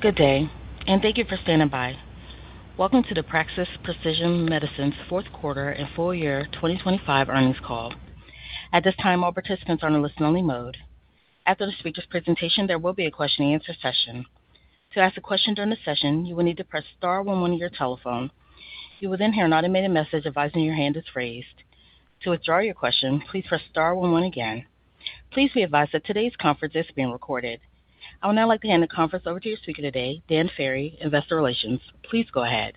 Good day, and thank you for standing by. Welcome to the Praxis Precision Medicines Q4 and full year 2025 earnings call. At this time, all participants are in a listen-only mode. After the speaker's presentation, there will be a question-and-answer session. To ask a question during the session, you will need to press star one on your telephone. You will then hear an automated message advising your hand is raised. To withdraw your question, please press star one one again. Please be advised that today's conference is being recorded. I would now like to hand the conference over to your speaker today, Dan Ferry, Investor Relations. Please go ahead.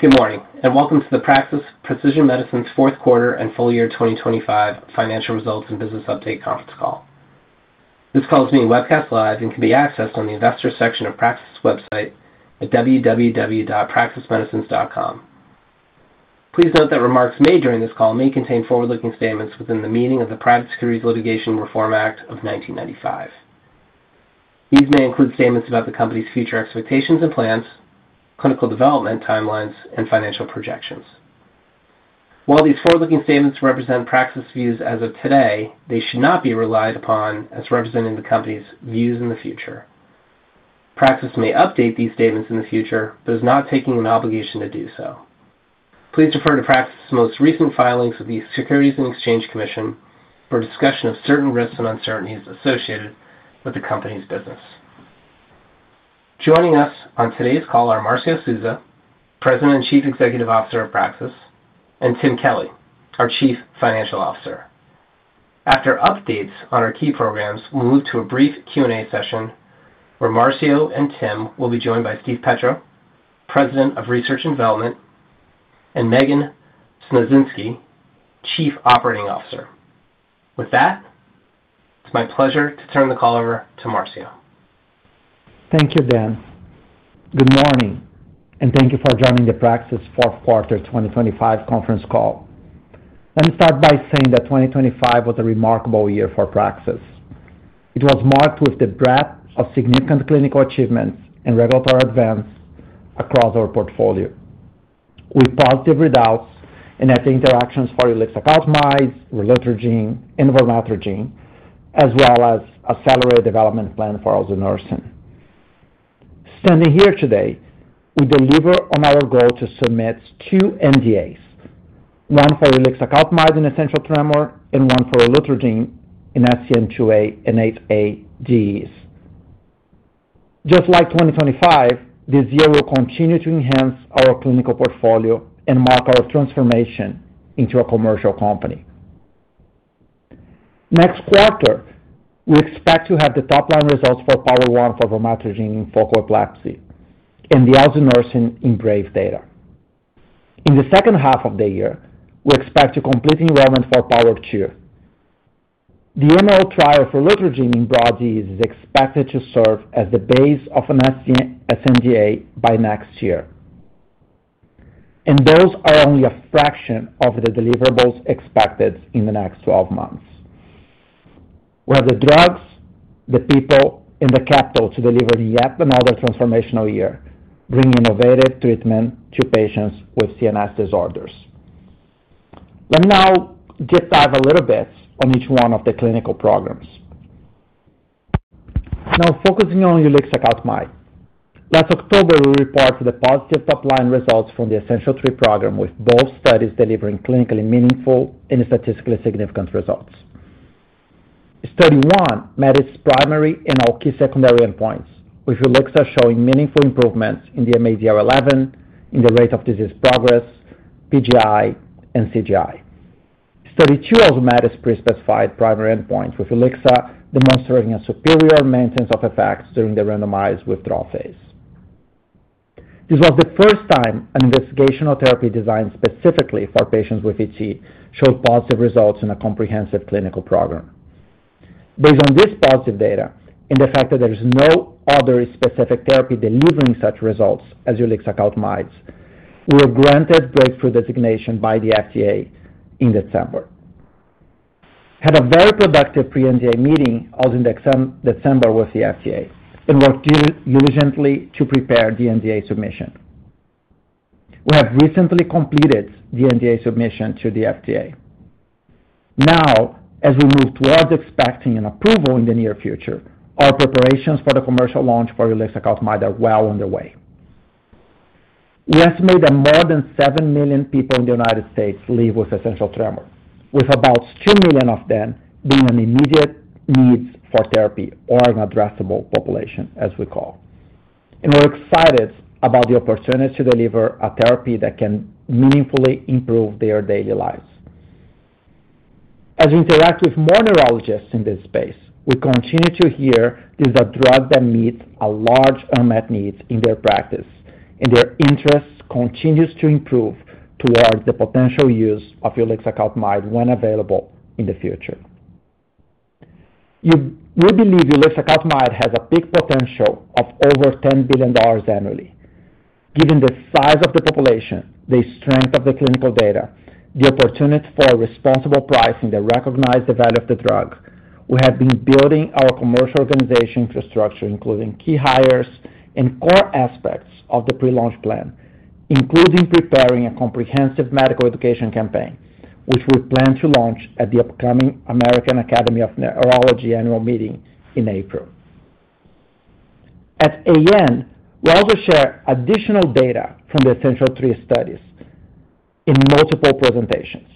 Good morning, and welcome to the Praxis Precision Medicines Q4 and full year 2025 financial results and business update conference call. This call is being webcast live and can be accessed on the Investors section of Praxis website at www.praxismedicines.com. Please note that remarks made during this call may contain forward-looking statements within the meaning of the Private Securities Litigation Reform Act of 1995. These may include statements about the company's future expectations and plans, clinical development, timelines, and financial projections. While these forward-looking statements represent Praxis views as of today, they should not be relied upon as representing the company's views in the future. Praxis may update these statements in the future, but is not taking an obligation to do so. Please refer to Praxis's most recent filings with the Securities and Exchange Commission for a discussion of certain risks and uncertainties associated with the company's business. Joining us on today's call are Marcio Souza, President and Chief Executive Officer of Praxis, and Tim Kelly, our Chief Financial Officer. After updates on our key programs, we'll move to a brief Q&A session where Marcio and Tim will be joined by Steven Petrou, President of Research and Development, and Megan Sniecinski, Chief Operating Officer. With that, it's my pleasure to turn the call over to Marcio. Thank you, Dan. Good morning, and thank you for joining the Praxis Q4 2025 conference call. Let me start by saying that 2025 was a remarkable year for Praxis. It was marked with the breadth of significant clinical achievements and regulatory events across our portfolio, with positive readouts and interactions for ulixacaltamide, relutrigine, and vormatrigine, as well as accelerated development plan for elsunersen. Standing here today, we deliver on our goal to submit 2 NDAs, one for ulixacaltamide in essential tremor and one for relutrigine in SCN2A and 8A DEEs. Just like 2025, this year will continue to enhance our clinical portfolio and mark our transformation into a commercial company. Next quarter, we expect to have the top-line results for POWER1 for vormatrigine in focal epilepsy and the elsunersen in EMBRAVE data. In the second half of the year, we expect to complete enrollment for POWER2. The EMERALD trial for relutrigine in broad disease is expected to serve as the base of an sNDA by next year, and those are only a fraction of the deliverables expected in the next 12 months. We have the drugs, the people, and the capital to deliver yet another transformational year, bringing innovative treatment to patients with CNS disorders. Let me now deep dive a little bit on each one of the clinical programs. Now, focusing on ulixacaltamide. Last October, we reported the positive top-line results from the Essential3 program, with both studies delivering clinically meaningful and statistically significant results. Study 1 met its primary and all key secondary endpoints, with ulixa showing meaningful improvements in the mADL11, in the rate of disease progress, PGI and CGI. Study 2 also met its pre-specified primary endpoint, with ulixacaltamide demonstrating a superior maintenance of effects during the randomized withdrawal phase. This was the first time an investigational therapy designed specifically for patients with ET showed positive results in a comprehensive clinical program. Based on this positive data and the fact that there is no other specific therapy delivering such results as ulixacaltamide, we were granted breakthrough designation by the FDA in December. Had a very productive pre-NDA meeting also in December with the FDA and worked diligently to prepare the NDA submission. We have recently completed the NDA submission to the FDA. Now, as we move towards expecting an approval in the near future, our preparations for the commercial launch for ulixacaltamide are well underway. We estimate that more than 7 million people in the United States live with essential tremor, with about 2 million of them being an immediate needs for therapy or an addressable population, as we call. We're excited about the opportunity to deliver a therapy that can meaningfully improve their daily lives. As we interact with more neurologists in this space, we continue to hear this is a drug that meets a large unmet need in their practice, and their interest continues to improve towards the potential use of ulixacaltamide when available in the future. We believe ulixacaltamide has a peak potential of over $10 billion annually. Given the size of the population, the strength of the clinical data, the opportunity for a responsible price, and they recognize the value of the drug, we have been building our commercial organization infrastructure, including key hires and core aspects of the pre-launch plan, including preparing a comprehensive medical education campaign, which we plan to launch at the upcoming American Academy of Neurology annual meeting in April. At AN, we also share additional data from the Essential3 studies in multiple presentations.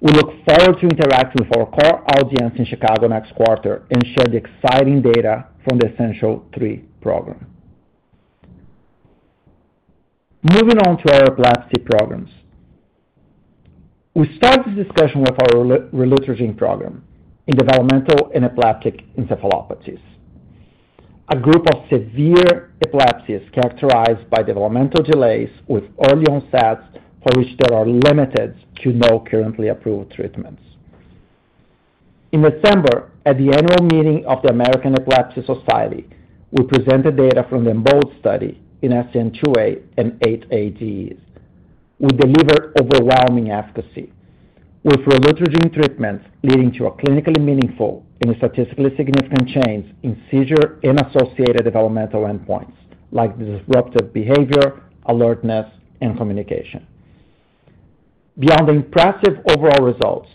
We look forward to interacting with our core audience in Chicago next quarter and share the exciting data from the Essential3 program. Moving on to our epilepsy programs. We start this discussion with our relutrigine program in developmental and epileptic encephalopathies, a group of severe epilepsies characterized by developmental delays with early onset, for which there are limited to no currently approved treatments. In December, at the annual meeting of the American Epilepsy Society, we presented data from the EMBOLD study in SCN2A and SCN8A DEEs. We delivered overwhelming efficacy, with relutrigine treatments leading to a clinically meaningful and a statistically significant change in seizure and associated developmental endpoints, like disruptive behavior, alertness, and communication. Beyond the impressive overall results,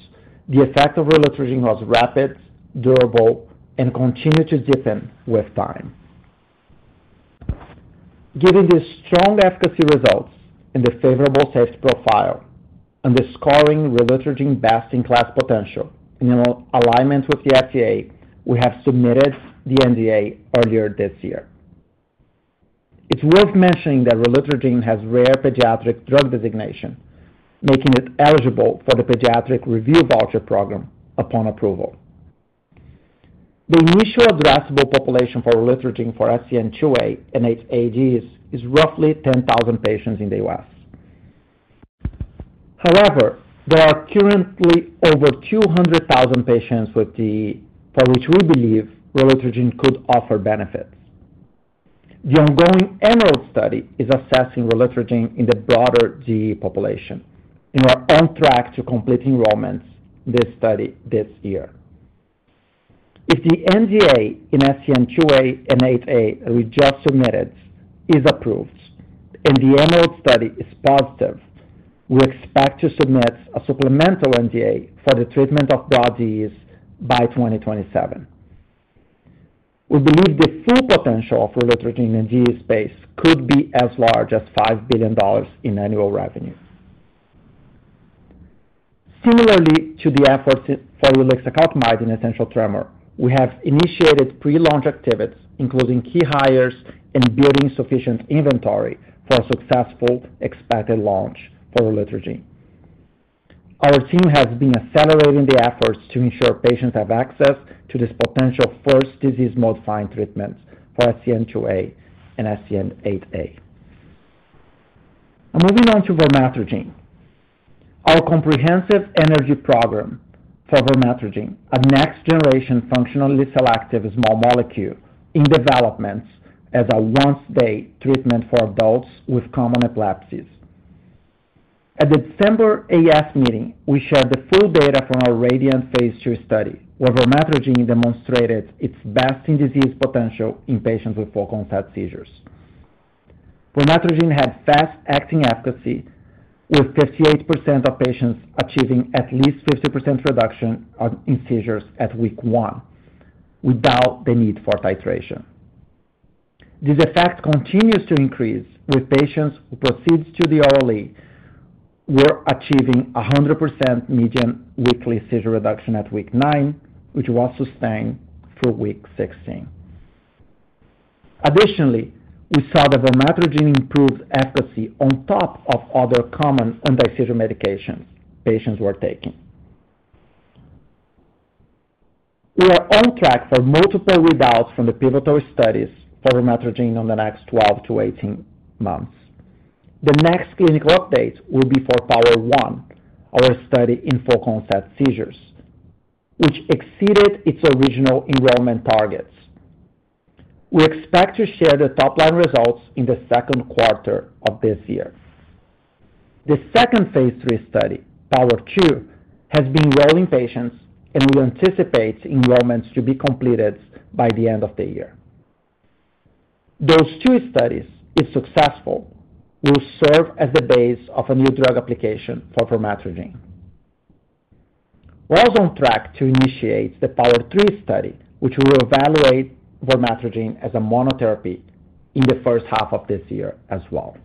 the effect of relutrigine was rapid, durable, and continued to deepen with time. Given the strong efficacy results and the favorable safety profile underscoring relutrigine best-in-class potential, in alignment with the FDA, we have submitted the NDA earlier this year. It's worth mentioning that relutrigine has Rare Pediatric Disease Designation, making it eligible for the Pediatric Review Voucher program upon approval. The initial addressable population for relutrigine for SCN2A and SCN8A DEE is roughly 10,000 patients in the US. However, there are currently over 200,000 patients with DEE, for which we believe relutrigine could offer benefits. The ongoing EMERALD study is assessing relutrigine in the broader DEE population, and we're on track to complete enrollments in this study this year. If the NDA in SCN2A and SCN8A we just submitted is approved and the EMERALD study is positive, we expect to submit a supplemental NDA for the treatment of broad DEEs by 2027. We believe the full potential of relutrigine in DEE space could be as large as $5 billion in annual revenue. Similarly to the efforts for ulixacaltamide in essential tremor, we have initiated pre-launch activities, including key hires and building sufficient inventory for a successful expected launch for relutrigine. Our team has been accelerating the efforts to ensure patients have access to this potential first disease-modifying treatment for SCN2A and SCN8A. Moving on to vormatrigine. Our comprehensive energy program for vormatrigine, a next-generation, functionally selective small molecule in development as a once-daily treatment for adults with common epilepsies. At the December AES meeting, we shared the full data from our RADIANT phase 2 study, where vormatrigine demonstrated its best-in-disease potential in patients with focal onset seizures. Vormatrigine had fast-acting efficacy, with 58% of patients achieving at least 50% reduction in seizures at week 1, without the need for titration. This effect continues to increase, with patients who proceed to the early, were achieving 100% median weekly seizure reduction at week 9, which was sustained through week 16. Additionally, we saw that vormatrigine improved efficacy on top of other common anti-seizure medications patients were taking. We are on track for multiple readouts from the pivotal studies for vormatrigine in the next 12-18 months. The next clinical update will be for POWER1, our study in focal onset seizures, which exceeded its original enrollment targets. We expect to share the top-line results in the Q2 of this year. The second phase 3 study, POWER2, has been enrolling patients and we anticipate enrollments to be completed by the end of the year. Those two studies, if successful, will serve as the base of a new drug application for vormatrigine. We're also on track to initiate the POWER3 study, which will evaluate vormatrigine as a monotherapy in the first half of this year as well.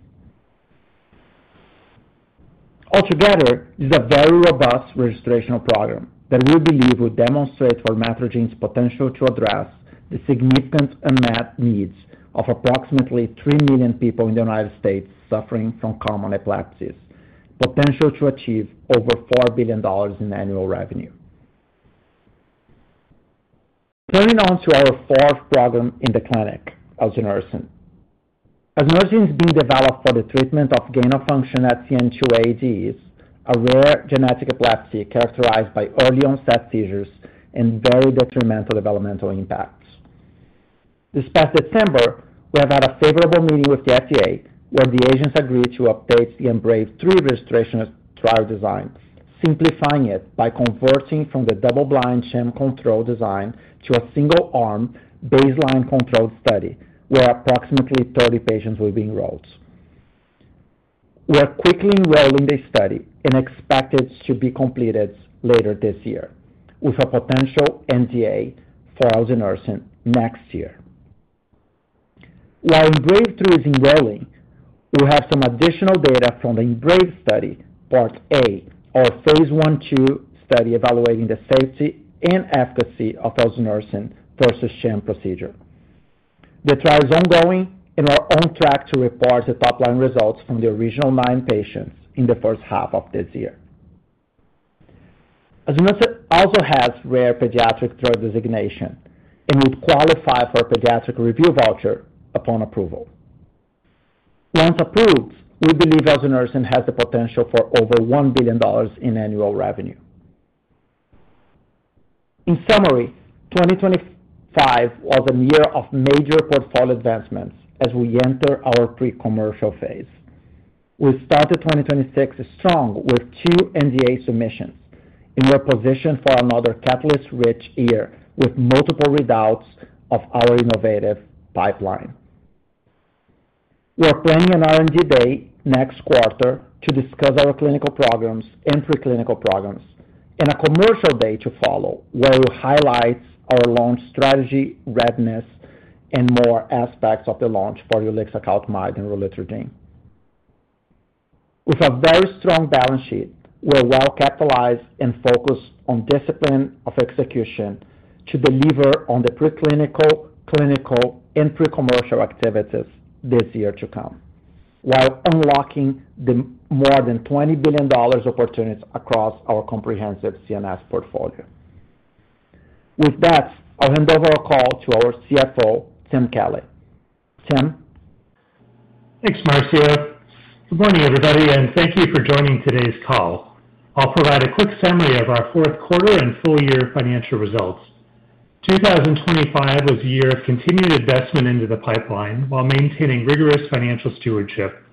Altogether, this is a very robust registrational program that we believe will demonstrate vormatrigine's potential to address the significant unmet needs of approximately 3 million people in the United States suffering from common epilepsies, potential to achieve over $4 billion in annual revenue. Turning to our fourth program in the clinic, elsunersen. Elsunersen is being developed for the treatment of gain-of-function SCN2A DEEs, a rare genetic epilepsy characterized by early onset seizures and very detrimental developmental impacts. This past September, we had a favorable meeting with the FDA, where the agency agreed to update the EMBRAVE3 registrational trial design, simplifying it by converting from the double-blind sham control design to a single-arm, baseline-controlled study, where approximately 30 patients will be enrolled. We are quickly enrolling this study and expect it to be completed later this year, with a potential NDA for elsunersen next year. While EMBRAVE3 is enrolling, we have some additional data from the EMBRAVE study, Part A, our phase 1/2 study evaluating the safety and efficacy of elsunersen versus sham procedure. The trial is ongoing, and we're on track to report the top-line results from the original 9 patients in the first half of this year. Elsunersen also has rare pediatric drug designation, and we qualify for a pediatric review voucher upon approval. Once approved, we believe elsunersen has the potential for over $1 billion in annual revenue. In summary, 2025 was a year of major portfolio advancements as we enter our pre-commercial phase. We started 2026 strong with 2 NDA submissions, and we are positioned for another catalyst-rich year with multiple readouts of our innovative pipeline. We are planning an R&D day next quarter to discuss our clinical programs and preclinical programs, and a commercial day to follow, where we'll highlight our launch strategy, readiness, and more aspects of the launch for ulixacaltamide and relutrigine. With a very strong balance sheet, we're well capitalized and focused on discipline of execution to deliver on the preclinical, clinical, and pre-commercial activities this year to come, while unlocking the more than $20 billion opportunities across our comprehensive CNS portfolio. With that, I'll hand over our call to our CFO, Tim Kelly. Tim? Thanks, Marcio. Good morning, everybody, and thank you for joining today's call. I'll provide a quick summary of our Q4 and full year financial results. 2025 was a year of continued investment into the pipeline while maintaining rigorous financial stewardship.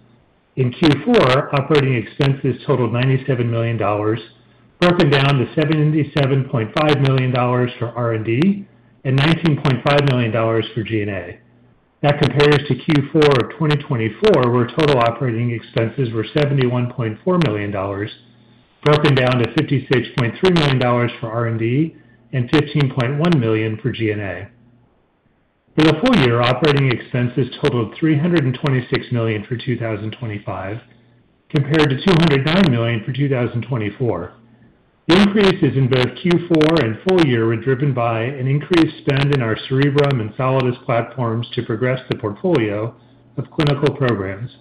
In Q4, operating expenses totaled $97 million, broken down to $77.5 million for R&D and $19.5 million for G&A. That compares to Q4 of 2024, where total operating expenses were $71.4 million, broken down to $56.3 million for R&D and $15.1 million for G&A. For the full year, operating expenses totaled $326 million for 2025, compared to $209 million for 2024. The increases in both Q4 and full year were driven by an increased spend in our Cerebrum and Solidus platforms to progress the portfolio of clinical programs.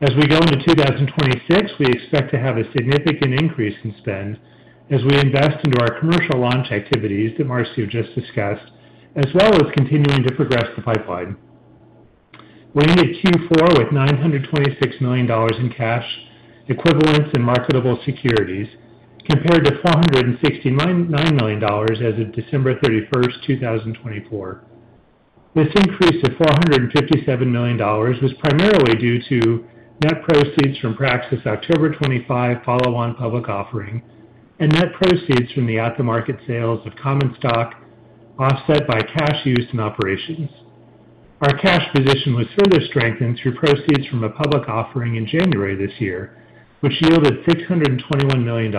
As we go into 2026, we expect to have a significant increase in spend as we invest into our commercial launch activities that Marcio just discussed, as well as continuing to progress the pipeline. We ended Q4 with $926 million in cash, equivalents, and marketable securities, compared to $469 million as of December 31, 2024. This increase to $457 million was primarily due to net proceeds from Praxis October 2025 follow-on public offering, and net proceeds from the at-the-market sales of common stock, offset by cash used in operations. Our cash position was further strengthened through proceeds from a public offering in January this year, which yielded $621 million.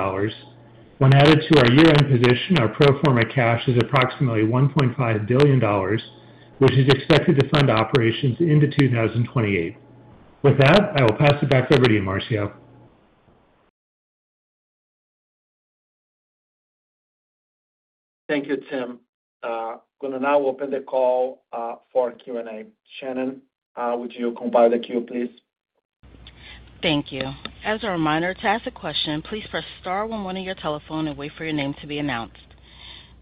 When added to our year-end position, our pro forma cash is approximately $1.5 billion, which is expected to fund operations into 2028. With that, I will pass it back over to you, Marcio. Thank you, Tim. Going to now open the call for Q&A. Shannon, would you compile the queue, please? Thank you. As a reminder, to ask a question, please press star one one on your telephone and wait for your name to be announced.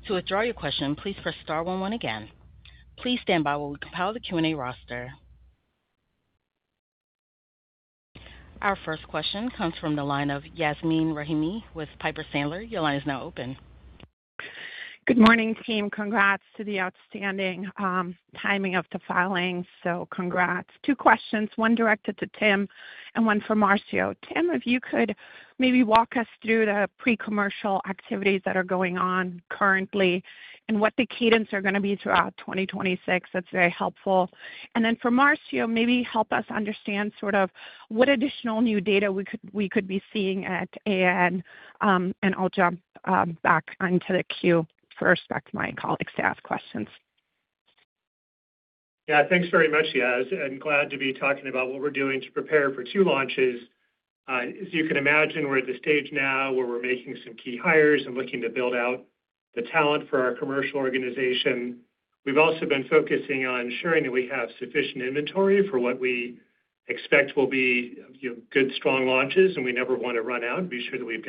To withdraw your question, please press star one one again. Please stand by while we compile the Q&A roster. Our first question comes from the line of Yasmeen Rahimi with Piper Sandler. Your line is now open. Good morning, team. Congrats to the outstanding timing of the filing. So congrats. Two questions, one directed to Tim and one for Marcio. Tim, if you could maybe walk us through the pre-commercial activities that are going on currently and what the cadence are going to be throughout 2026, that's very helpful. And then for Marcio, maybe help us understand sort of what additional new data we could, we could be seeing at AAN, and I'll jump back onto the queue for respect to my colleagues to ask questions. Yeah. Thanks very much, Yas. I'm glad to be talking about what we're doing to prepare for two launches. As you can imagine, we're at the stage now where we're making some key hires and looking to build out the talent for our commercial organization. We've also been focusing on ensuring that we have sufficient inventory for what we expect will be, you know, good, strong launches, and we never want to run out. Be sure that we've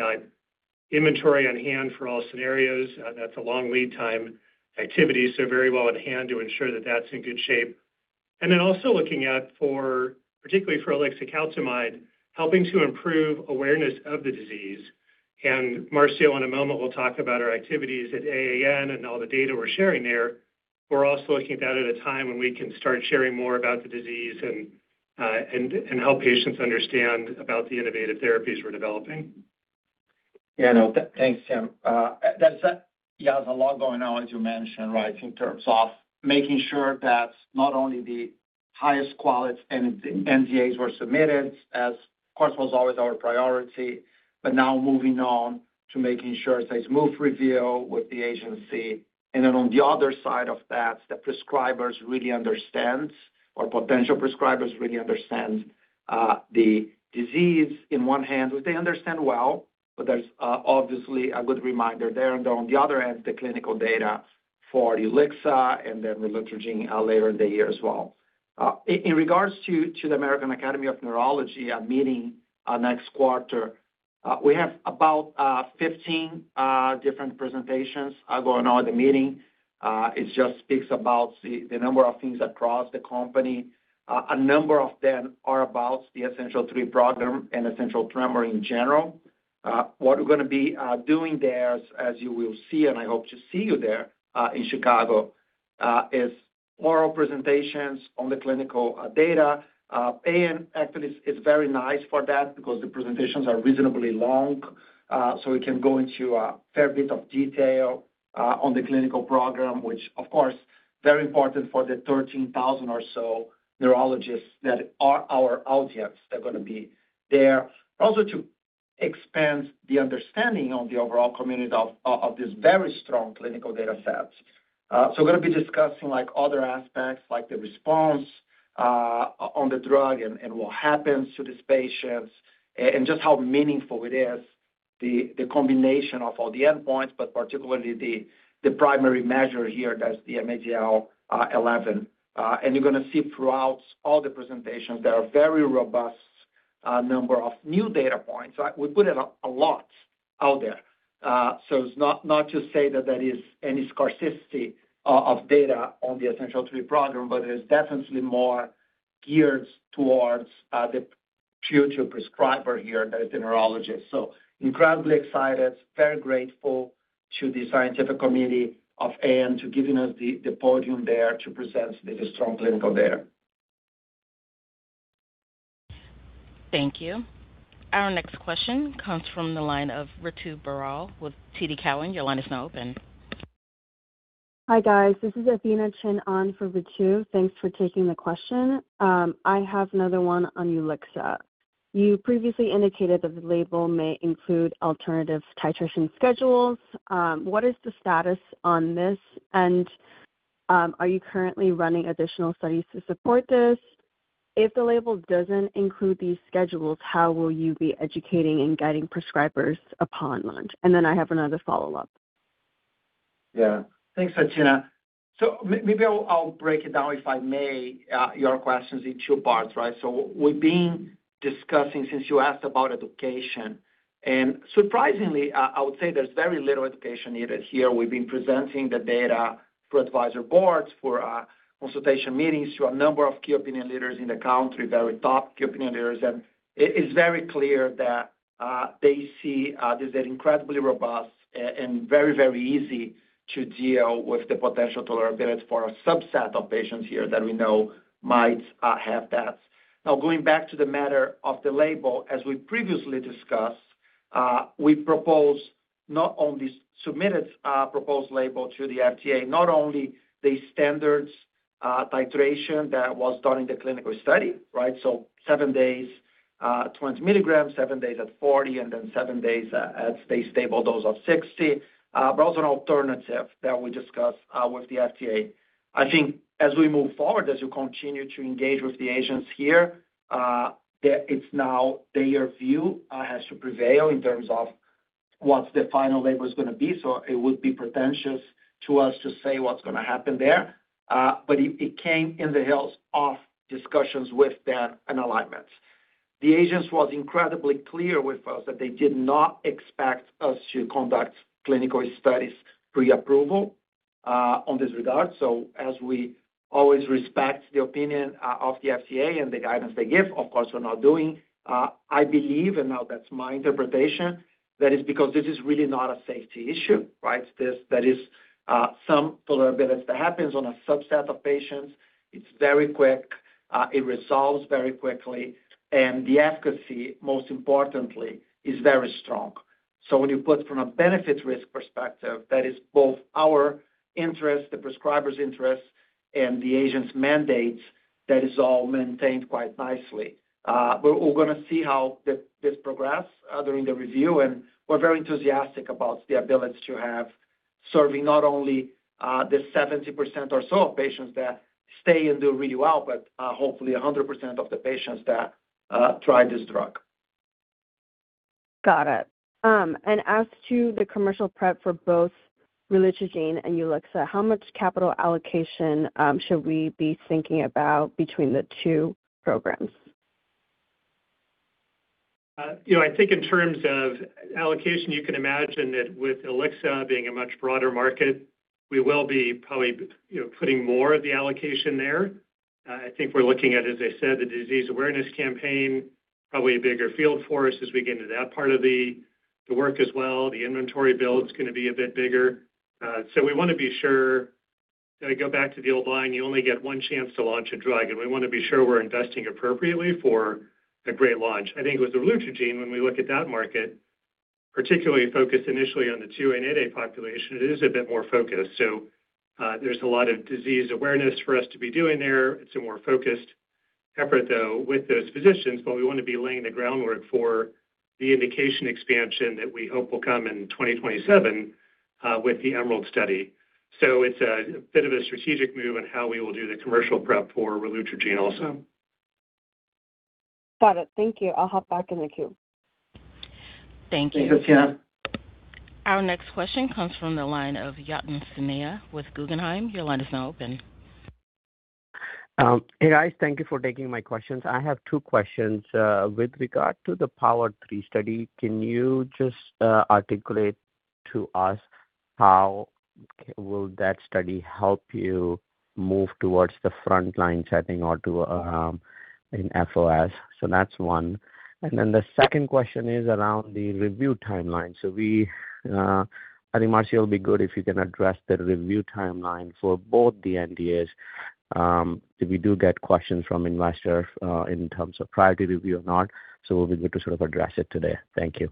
got inventory on hand for all scenarios. That's a long lead time activity, so very well at hand to ensure that that's in good shape. And then also looking at for, particularly for ulixacaltamide, helping to improve awareness of the disease. And Marcio, in a moment, will talk about our activities at AAN and all the data we're sharing there. We're also looking at that at a time when we can start sharing more about the disease and help patients understand about the innovative therapies we're developing. Yeah, no, thanks, Tim. That's, yeah, there's a lot going on, as you mentioned, right? In terms of making sure that not only the highest quality and NDAs were submitted, as of course, was always our priority, but now moving on to making sure it's a smooth review with the agency. On the other side of that, the prescribers really understand or potential prescribers really understand the disease in one hand, which they understand well, but there's obviously a good reminder there. On the other hand, the clinical data for ulixacaltamide, and then relutrigine later in the year as well. In regards to the American Academy of Neurology meeting next quarter, we have about 15 different presentations going on at the meeting. It just speaks about the number of things across the company. A number of them are about the Essential3 program and essential tremor in general. What we're gonna be doing there, as you will see, and I hope to see you there, in Chicago, is oral presentations on the clinical data. And actually, it's very nice for that because the presentations are reasonably long, so we can go into a fair bit of detail, on the clinical program, which, of course, very important for the 13,000 or so neurologists that are our audience. They're gonna be there also to expand the understanding of the overall community of this very strong clinical data sets. So we're gonna be discussing, like, other aspects, like the response on the drug and what happens to these patients, and just how meaningful it is, the combination of all the endpoints, but particularly the primary measure here, that's the mADL11. And you're gonna see throughout all the presentations, there are very robust number of new data points. We put a lot out there. So it's not to say that there is any scarcity of data on the Essential3 program, but it's definitely more geared towards the future prescriber here, the neurologist. Incredibly excited, very grateful to the scientific committee of the AAN for giving us the podium there to present the strong clinical data. Thank you. Our next question comes from the line of Ritu Baral with TD Cowen. Your line is now open. Hi, guys. This is Athena Chin on for Ritu. Thanks for taking the question. I have another one on Ulixa. You previously indicated that the label may include alternative titration schedules. What is the status on this? And, are you currently running additional studies to support this? If the label doesn't include these schedules, how will you be educating and guiding prescribers upon launch? And then I have another follow-up. Yeah. Thanks, Athena. So maybe I'll break it down, if I may, your questions in two parts, right? So we've been discussing, since you asked about education, and surprisingly, I would say there's very little education needed here. We've been presenting the data for advisor boards, for consultation meetings, to a number of key opinion leaders in the country, very top key opinion leaders. And it is very clear that they see this is incredibly robust and very, very easy to deal with the potential tolerability for a subset of patients here that we know might have that. Now, going back to the matter of the label, as we previously discussed, we propose not only submitted proposed label to the FDA, not only the standards titration that was done in the clinical study, right? So 7 days, 20 milligrams, 7 days at 40, and then 7 days at a stable dose of 60, but also an alternative that we discussed with the FDA. I think as we move forward, as you continue to engage with the Agency here, that it's now their view has to prevail in terms of what the final label is gonna be. So it would be pretentious of us to say what's gonna happen there. But it came on the heels of discussions with them and alignment. The Agency was incredibly clear with us that they did not expect us to conduct clinical studies pre-approval in this regard. So as we always respect the opinion of the FDA and the guidance they give, of course, we're not doing. I believe, and now that's my interpretation, that is because this is really not a safety issue, right? This, there is some tolerability that happens on a subset of patients. It's very quick, it resolves very quickly, and the efficacy, most importantly, is very strong. So when you put from a benefit-risk perspective, that is both our interest, the prescriber's interest, and the agent's mandates, that is all maintained quite nicely. But we're gonna see how this, this progress during the review, and we're very enthusiastic about the ability to have serving not only the 70% or so of patients that stay and do really well, but hopefully, 100% of the patients that try this drug. Got it. As to the commercial prep for both relutrigine and Ulixa, how much capital allocation should we be thinking about between the two programs? You know, I think in terms of allocation, you can imagine that with ulixacaltamide being a much broader market, we will be probably, you know, putting more of the allocation there. I think we're looking at, as I said, the disease awareness campaign, probably a bigger field for us as we get into that part of the work as well. The inventory build is gonna be a bit bigger. So we want to be sure. I go back to the old line, you only get one chance to launch a drug, and we want to be sure we're investing appropriately for a great launch. I think with relutrigine, when we look at that market, particularly focused initially on the SCN2A and SCN8A population, it is a bit more focused. So, there's a lot of disease awareness for us to be doing there. It's a more focused effort, though, with those physicians, but we want to be laying the groundwork for the indication expansion that we hope will come in 2027 with the EMERALD study. So it's a bit of a strategic move in how we will do the commercial prep for relutrigine also. Got it. Thank you. I'll hop back in the queue. Thank you. Thank you, Tiana. Our next question comes from the line of Yatin Suneja with Guggenheim. Your line is now open. Hey, guys. Thank you for taking my questions. I have two questions. With regard to the POWER3 study, can you just articulate to us how will that study help you move towards the front line setting or to in FOS? So that's one. And then the second question is around the review timeline. So we, I think Marcio, it'll be good if you can address the review timeline for both the NDAs. We do get questions from investors in terms of priority review or not, so we'll be able to sort of address it today. Thank you.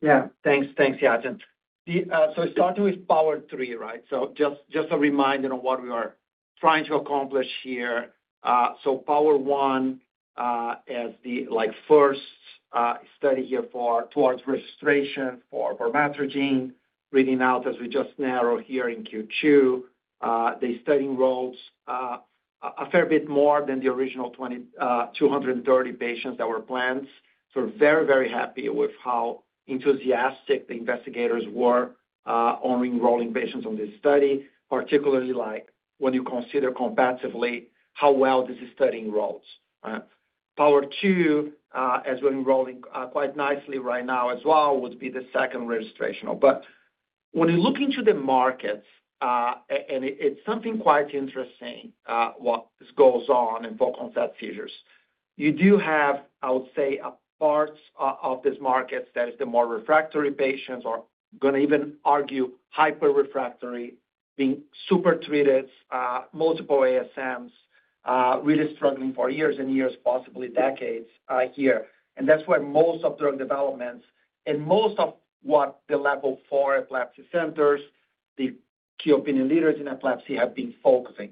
Yeah. Thanks. Thanks, Yatin. The, so starting with POWER3, right? So just a reminder on what we are trying to accomplish here. So POWER1, as the, like, first study here for-- towards registration for vormatrigine, reading out, as we just narrowed here in Q2. The study enrolled a fair bit more than the original 230 patients that were planned. So we're very, very happy with how enthusiastic the investigators were on enrolling patients on this study, particularly, like, when you consider comparatively how well this study enrolls, right? POWER2, as we're enrolling quite nicely right now as well, would be the second registrational. But when you look into the markets, and it, it's something quite interesting, what this goes on in focal seizures. You do have, I would say, a part of this market that is the more refractory patients or going to even argue hyper refractory, being super treated, multiple ASMs, really struggling for years and years, possibly decades, here. And that's where most of drug developments and most of what the level four epilepsy centers, the key opinion leaders in epilepsy have been focusing.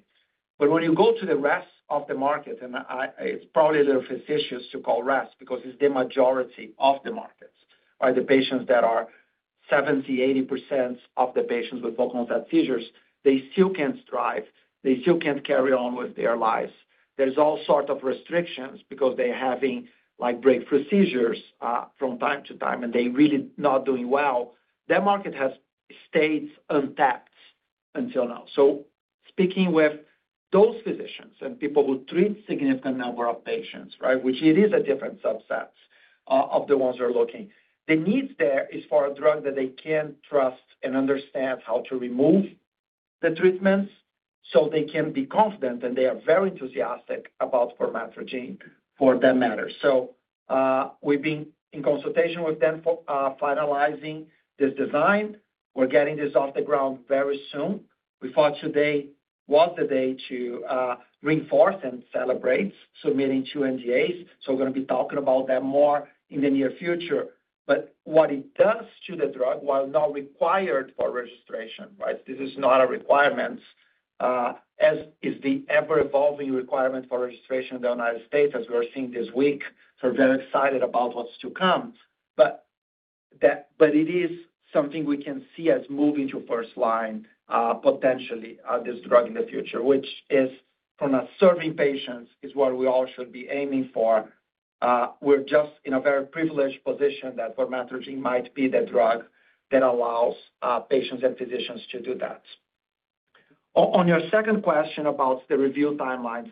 But when you go to the rest of the market, and it's probably the physicians to call rest because it's the majority of the markets, are the patients that are 70, 80% of the patients with focal seizures. They still can't strive, they still can't carry on with their lives. There's all sorts of restrictions because they're having, like, breakthrough seizures, from time to time, and they're really not doing well. That market has stayed untapped until now. So speaking with those physicians and people who treat significant number of patients, right, which it is a different subset of the ones we're looking, the needs there is for a drug that they can trust and understand how to remove the treatments, so they can be confident, and they are very enthusiastic about vormatrigine for that matter. So, we've been in consultation with them for finalizing this design. We're getting this off the ground very soon. We thought today was the day to reinforce and celebrate submitting two NDAs, so we're going to be talking about that more in the near future. But what it does to the drug, while not required for registration, right? This is not a requirement, as is the ever-evolving requirement for registration in the United States, as we are seeing this week. So we're very excited about what's to come. But it is something we can see as moving to first line, potentially, this drug in the future, which is from a serving patients, is what we all should be aiming for. We're just in a very privileged position that vormatrigine might be the drug that allows patients and physicians to do that. On your second question about the review timelines,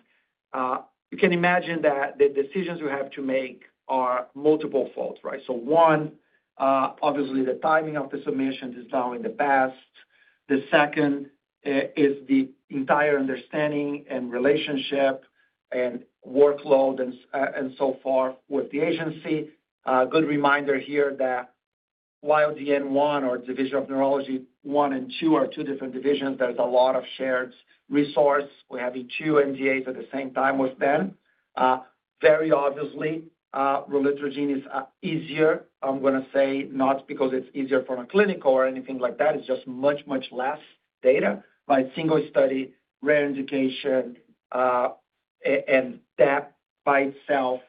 you can imagine that the decisions we have to make are multiple folds, right? So one, obviously the timing of the submissions is now in the past. The second is the entire understanding and relationship and workload and and so forth with the agency. Good reminder here that while the NDA or Division of Neurology 1 and 2 are two different divisions, there's a lot of shared resource. We're having two NDAs at the same time with them. Very obviously, raletrogene is easier. I'm going to say not because it's easier from a clinical or anything like that, it's just much, much less data, by single study, rare indication, and that by itself,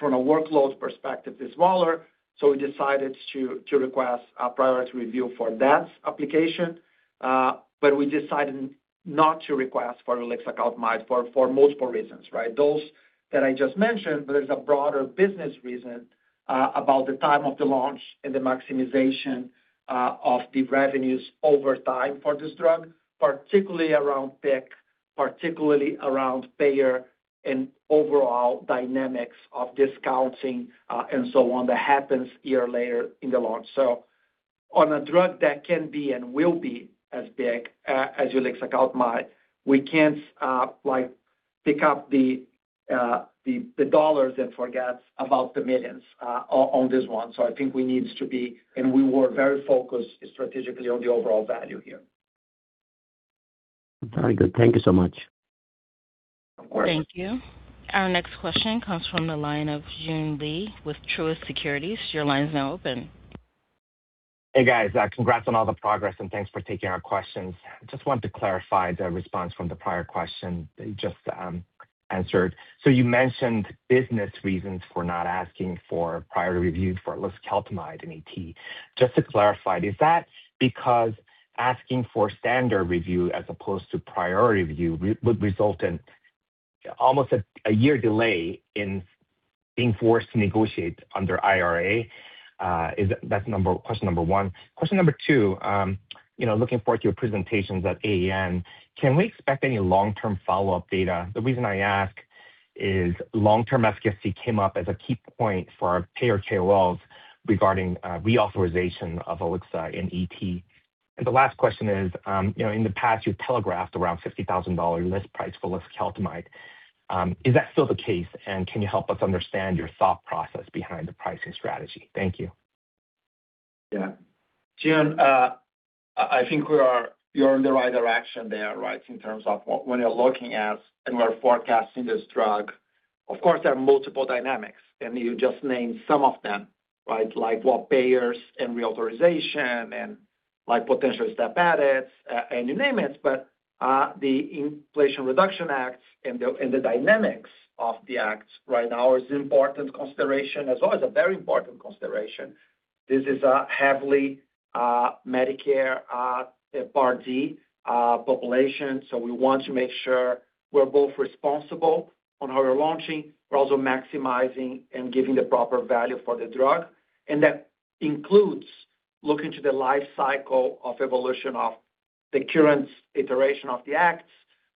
from a workload perspective, is smaller. So we decided to request a priority review for that application, but we decided not to request for ulexakalmide for multiple reasons, right? Those that I just mentioned, but there's a broader business reason, about the time of the launch and the maximization of the revenues over time for this drug, particularly around pick, particularly around payer and overall dynamics of discounting, and so on, that happens year later in the launch. So on a drug that can be and will be as big as ulixacaltamide, we can't pick up the dollars and forget about the millions on this one. So I think we need to be, and we were very focused strategically on the overall value here. Very good. Thank you so much. Of course. Thank you. Our next question comes from the line of Joon Lee with Truist Securities. Your line is now open. Hey, guys. Congrats on all the progress, and thanks for taking our questions. Just wanted to clarify the response from the prior question that you just answered. So you mentioned business reasons for not asking for priority review for ulixacaltamide in ET. Just to clarify, is that because asking for standard review as opposed to priority review would result in almost a year delay in being forced to negotiate under IRA? Question number one. Question number two, you know, looking forward to your presentations at AAN, can we expect any long-term follow-up data? The reason I ask is long-term efficacy came up as a key point for payer KOLs regarding reauthorization of ulixa in ET. And the last question is, you know, in the past, you've telegraphed around $50,000 list price for ulixacaltamide. Is that still the case? And can you help us understand your thought process behind the pricing strategy? Thank you. Yeah. Jun, I think we are—you're in the right direction there, right? In terms of what we are looking at and we're forecasting this drug. Of course, there are multiple dynamics, and you just named some of them, right? Like, what payers and reauthorization, and like, potential step edits, and you name it. But, the Inflation Reduction Act and the and the dynamics of the act right now is important consideration as well as a very important consideration. This is a heavily, Medicare, Part D, population, so we want to make sure we're both responsible on how we're launching, we're also maximizing and giving the proper value for the drug, and that includes looking to the life cycle of evolution of the current iteration of the act,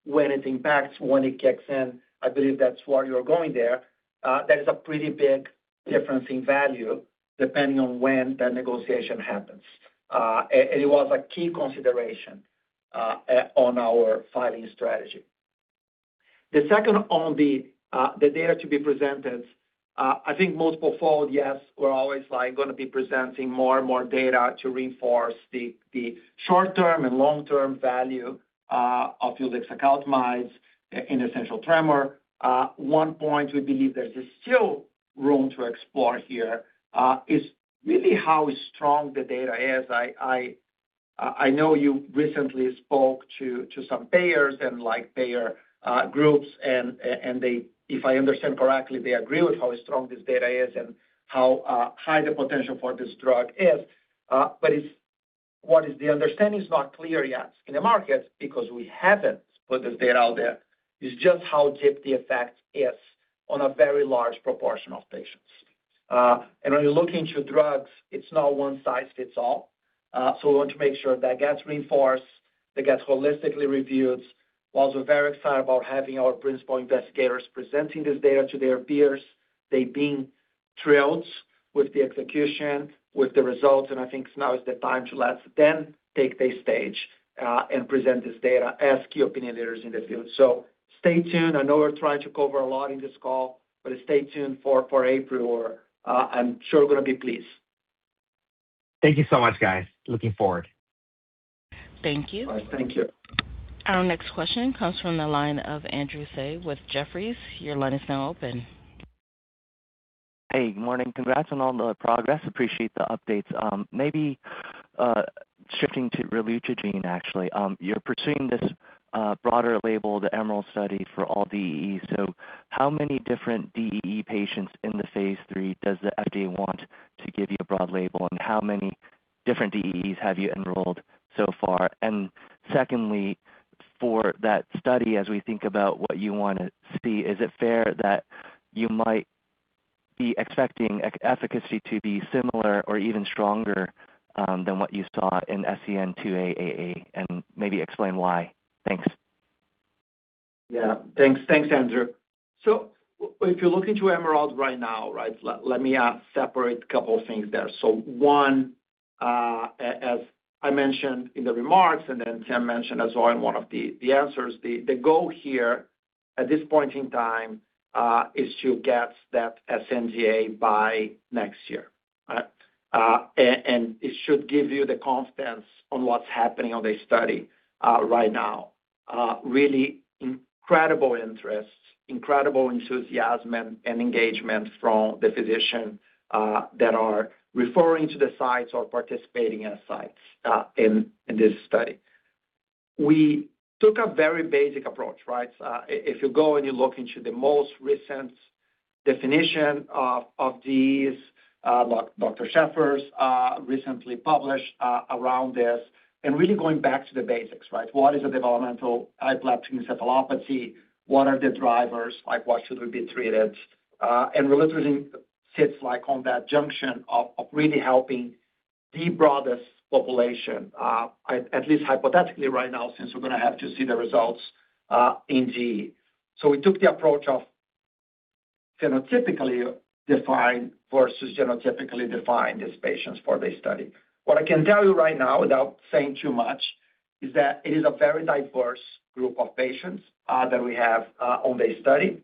when it impacts, when it kicks in. I believe that's where you're going there. That is a pretty big difference in value, depending on when that negotiation happens. And it was a key consideration on our filing strategy. The second, on the data to be presented, I think multiple follow-up, yes, we're always, like, gonna be presenting more and more data to reinforce the short-term and long-term value of ulixacaltamide in essential tremor. One point we believe there is still room to explore here is really how strong the data is. I know you recently spoke to some payers and, like, payer groups, and they, if I understand correctly, agree with how strong this data is and how high the potential for this drug is. But it's what the understanding is not clear yet in the market because we haven't put this data out there, is just how deep the effect is on a very large proportion of patients. And when you look into drugs, it's not one-size-fits-all. So we want to make sure that gets reinforced, that gets holistically reviewed. While we're very excited about having our principal investigators presenting this data to their peers, they've been thrilled with the execution, with the results, and I think now is the time to let them take the stage and present this data as key opinion leaders in the field. So stay tuned. I know we're trying to cover a lot in this call, but stay tuned for, for April. I'm sure we're gonna be pleased. Thank you so much, guys. Looking forward. Thank you. All right. Thank you. Our next question comes from the line of Andrew Tsai with Jefferies. Your line is now open. Hey, good morning. Congrats on all the progress. Appreciate the updates. Maybe, shifting to relutrigine, actually. You're pursuing this broader label, the EMERALD study, for all DEE. So how many different DEE patients in the phase 3 does the FDA want to give you a broad label, and how many different DEEs have you enrolled so far? And secondly, for that study, as we think about what you want to see, is it fair that you might be expecting efficacy to be similar or even stronger, than what you saw in SCN2A? And maybe explain why. Thanks. Yeah. Thanks. Thanks, Andrew. So if you're looking to EMERALD right now, right, let me separate a couple of things there. So one, as I mentioned in the remarks, and then Tim mentioned as well in one of the answers, the goal here, at this point in time, is to get that sNDA by next year. And it should give you the confidence on what's happening on the study right now. Really incredible interest, incredible enthusiasm, and engagement from the physician that are referring to the sites or participating in sites in this study. We took a very basic approach, right? If you go and you look into the most recent definition of these, like Dr. Scheffer recently published around this, and really going back to the basics, right? What is a developmental and epileptic encephalopathy? What are the drivers? Like, why should we be treated? And relutrigine sits, like, on that junction of really helping the broadest population, at least hypothetically right now, since we're gonna have to see the results in GE. So we took the approach of phenotypically defined versus genotypically defined patients for this study. What I can tell you right now, without saying too much, is that it is a very diverse group of patients that we have on the study.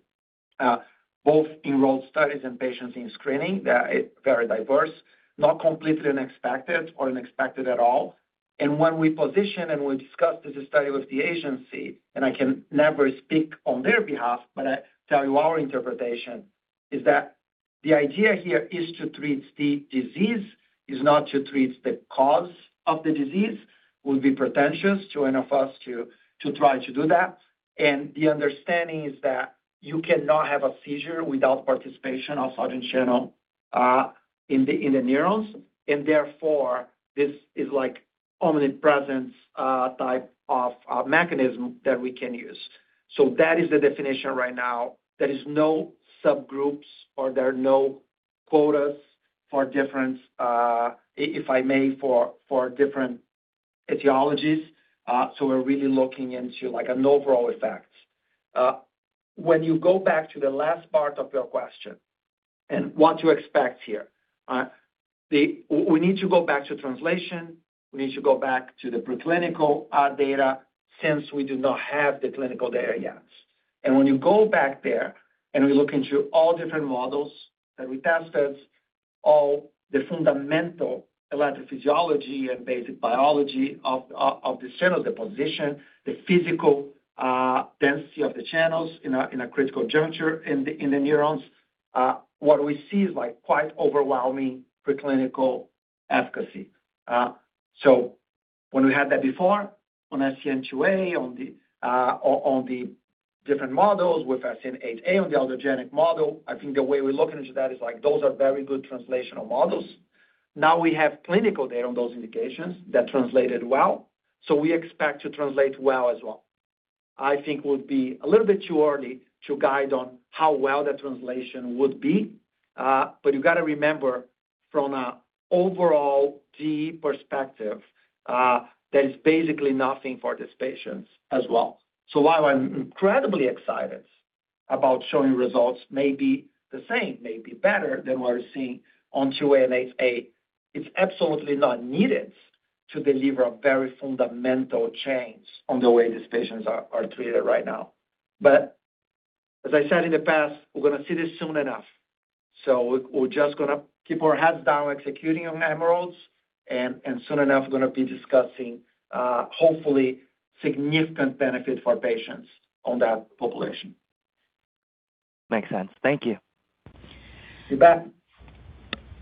Both enrolled studies and patients in screening, they are very diverse, not completely unexpected or unexpected at all. When we position and we discuss this study with the agency, and I can never speak on their behalf, but I tell you our interpretation is that the idea here is to treat the disease, is not to treat the cause of the disease. Would be pretentious to enough of us to try to do that. The understanding is that you cannot have a seizure without participation of sodium channel in the neurons, and therefore, this is like omnipresence type of mechanism that we can use. So that is the definition right now. There is no subgroups, or there are no quotas for different, if I may, for different etiologies. So we're really looking into, like, an overall effect. When you go back to the last part of your question and what to expect here, the-- we need to go back to translation. We need to go back to the preclinical data since we do not have the clinical data yet. And when you go back there, and we look into all different models that we tested, all the fundamental electrophysiology and basic biology of the channel, deposition, the physical density of the channels in a critical juncture in the neurons, what we see is, like, quite overwhelming preclinical efficacy. So when we had that before, on SCN2A, on the different models with SCN8A, on the audiogenic model, I think the way we're looking into that is, like, those are very good translational models. Now we have clinical data on those indications that translated well, so we expect to translate well as well. I think it would be a little bit too early to guide on how well the translation would be, but you got to remember from an overall DEE perspective, there is basically nothing for these patients as well. So while I'm incredibly excited about showing results, maybe the same, maybe better than we're seeing on 2A and 8A, it's absolutely not needed to deliver a very fundamental change on the way these patients are treated right now. But as I said in the past, we're going to see this soon enough. So we're just going to keep our heads down, executing on EMERALD, and soon enough, we're going to be discussing, hopefully significant benefit for patients on that population. Makes sense. Thank you. You bet.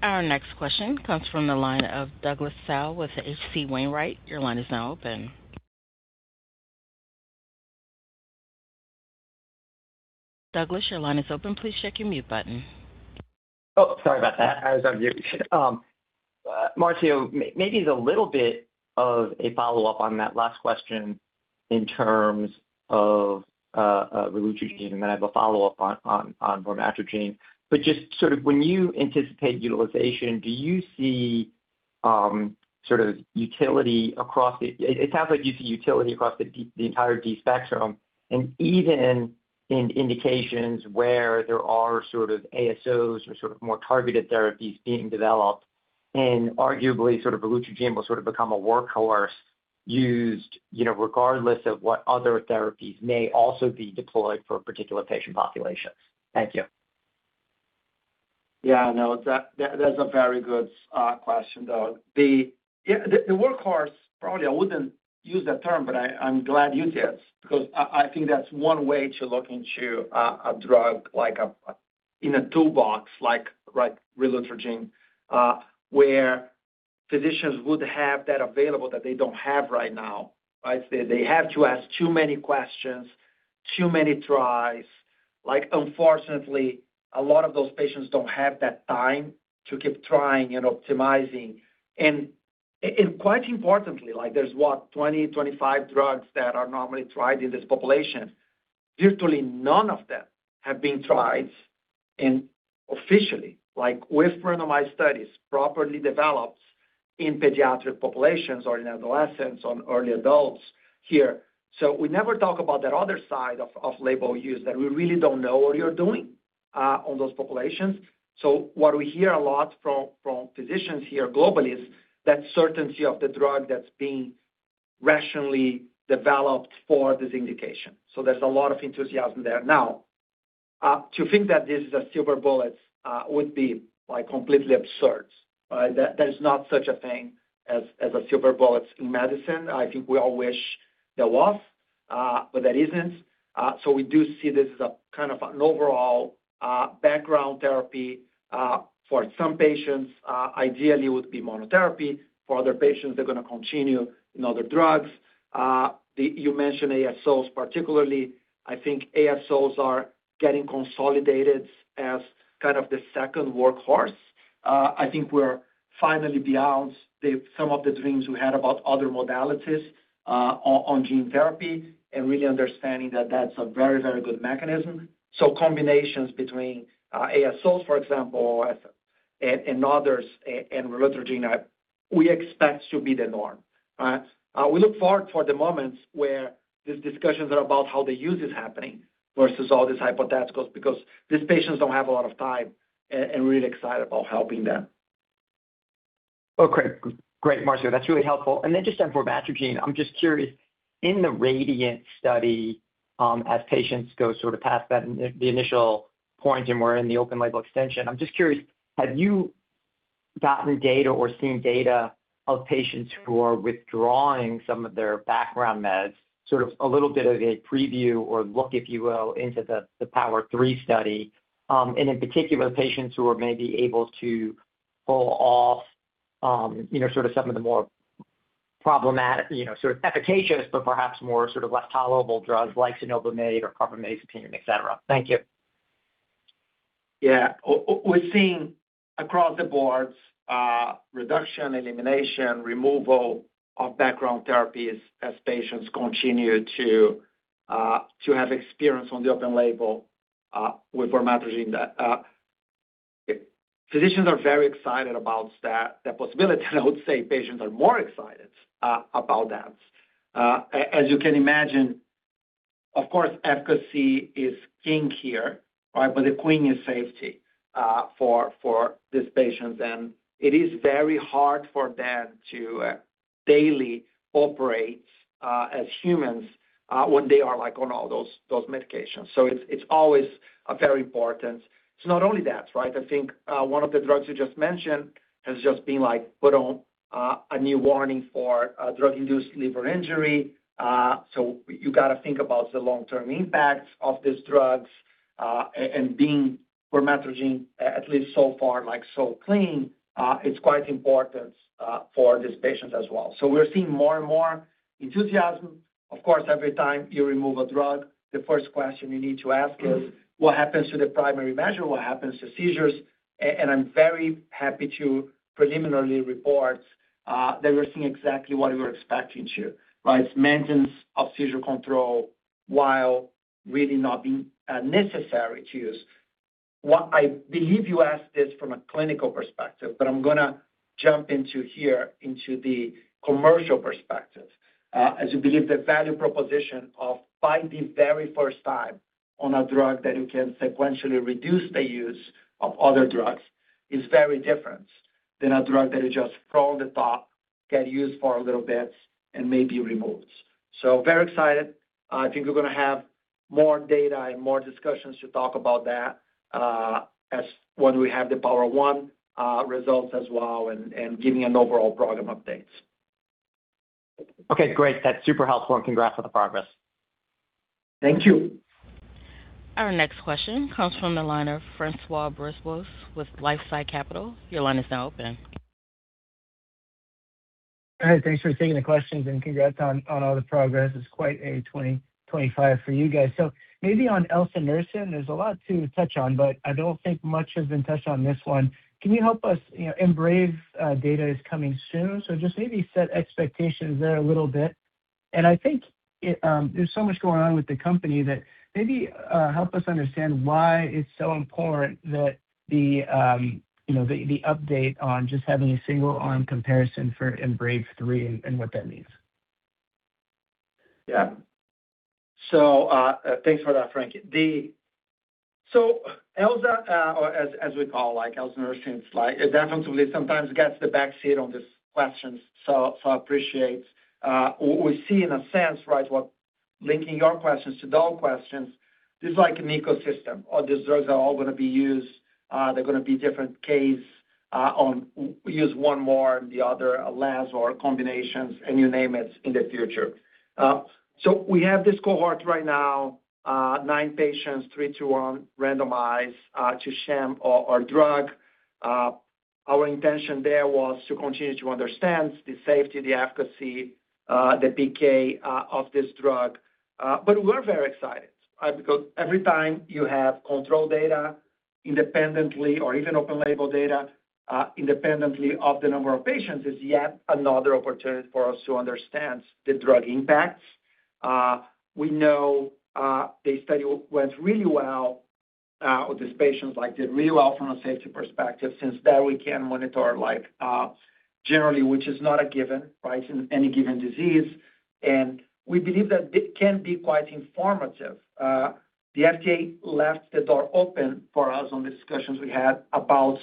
Our next question comes from the line of Douglas Tsao with H.C. Wainwright. Your line is now open. Douglas, your line is open. Please check your mute button. Oh, sorry about that. I was on mute. Marcio, maybe it's a little bit of a follow-up on that last question in terms of relutrigine, and then I have a follow-up on vormatrigine. But just sort of when you anticipate utilization, do you see sort of utility across the entire DEE spectrum, and it sounds like you see utility across the entire DEE spectrum, and even in indications where there are sort of ASOs or sort of more targeted therapies being developed, and arguably, sort of relutrigine will sort of become a workhorse used, you know, regardless of what other therapies may also be deployed for particular patient populations. Thank you. Yeah, no, that, that's a very good question, though. The, yeah, the, the workhorse, probably I wouldn't use that term, but I, I'm glad you did, because I, I think that's one way to look into a drug, like a, in a toolbox, like, like relutrigine, where physicians would have that available that they don't have right now, right? They, they have to ask too many questions, too many tries. Like, unfortunately, a lot of those patients don't have that time to keep trying and optimizing. And, and quite importantly, like there's what, 20-25 drugs that are normally tried in this population, virtually none of them have been tried, and officially, like with randomized studies, properly developed in pediatric populations or in adolescents, on early adults here. So we never talk about that other side of off-label use, that we really don't know what you're doing on those populations. So what we hear a lot from physicians here globally is that certainty of the drug that's being rationally developed for this indication. So there's a lot of enthusiasm there. Now, to think that this is a silver bullet would be, like, completely absurd. That is not such a thing as a silver bullet in medicine. I think we all wish there was, but there isn't. So we do see this as a kind of an overall background therapy for some patients. Ideally, would be monotherapy. For other patients, they're going to continue in other drugs. You mentioned ASOs particularly. I think ASOs are getting consolidated as kind of the second workhorse. I think we're finally beyond some of the dreams we had about other modalities on gene therapy, and really understanding that that's a very, very good mechanism. So combinations between ASOs, for example, and others, and relutrigine, we expect to be the norm, right? We look forward for the moments where these discussions are about how the use is happening versus all these hypotheticals, because these patients don't have a lot of time, and really excited about helping them. Okay. Great, Marcio, that's really helpful. And then just on vormatrigine, I'm just curious, in the RADIANT study, as patients go sort of past that, the initial point and we're in the open label extension, I'm just curious, have you gotten data or seen data of patients who are withdrawing some of their background meds, sort of a little bit of a preview or look, if you will, into the, the POWER3 study? And in particular, patients who are maybe able to go off, you know, sort of some of the more problematic, you know, sort of efficacious, but perhaps more sort of less tolerable drugs like cenobamate or carbamazepine, et cetera. Thank you. Yeah. We're seeing across the boards reduction, elimination, removal of background therapies as patients continue to have experience on the open label with vormatrigine. That physicians are very excited about that, the possibility, and I would say patients are more excited about that. As you can imagine, of course, efficacy is king here, right? But the queen is safety for these patients, and it is very hard for them to daily operate as humans when they are, like, on all those medications. So it's always a very important. It's not only that, right? I think one of the drugs you just mentioned has just been, like, put on a new warning for drug-induced liver injury. So you got to think about the long-term impacts of these drugs, and being vormatrigine, at least so far, like, so clean, it's quite important for these patients as well. So we're seeing more and more enthusiasm. Of course, every time you remove a drug, the first question you need to ask is: What happens to the primary measure? What happens to seizures? And I'm very happy to preliminarily report that we're seeing exactly what we were expecting to, right? It's maintenance of seizure control while really not being necessary to use. What, I believe you asked this from a clinical perspective, but I'm going to jump into here, into the commercial perspective. As you believe the value proposition of, by the very first time on a drug, that you can sequentially reduce the use of other drugs is very different than a drug that you just throw on the top, get used for a little bit, and maybe removes. So very excited. I think we're going to have more data and more discussions to talk about that, as when we have the POWER1 results as well, and giving an overall program updates. Okay, great. That's super helpful, and congrats on the progress. Thank you. Our next question comes from the line of Francois Brisebois with LifeSci Capital. Your line is now open. Hi, thanks for taking the questions, and congrats on all the progress. It's quite a 2025 for you guys. So maybe on elsunersen, there's a lot to touch on, but I don't think much has been touched on this one. Can you help us, you know, EMBRAVE data is coming soon, so just maybe set expectations there a little bit. And I think it, there's so much going on with the company that maybe help us understand why it's so important that the, you know, the update on just having a single arm comparison for EMBRAVE3 and what that means. Yeah. So, thanks for that, Frank. The— So elsunersen, or as we call it, like, elsunersen, it's like, it definitely sometimes gets the backseat on these questions, so I appreciate. We see in a sense, right, with linking your questions to dual questions, this is like an ecosystem, all these drugs are all going to be used. They're going to be different cases, in use one more and the other less or combinations, and you name it, in the future. So we have this cohort right now, 9 patients, 3-to-1 randomized, to sham or drug. Our intention there was to continue to understand the safety, the efficacy, the PK, of this drug. But we're very excited because every time you have control data independently or even open label data, independently of the number of patients, is yet another opportunity for us to understand the drug impacts. We know the study went really well with these patients, like, did really well from a safety perspective. Since then, we can monitor, like, generally, which is not a given, right, in any given disease, and we believe that it can be quite informative. The FDA left the door open for us on the discussions we had about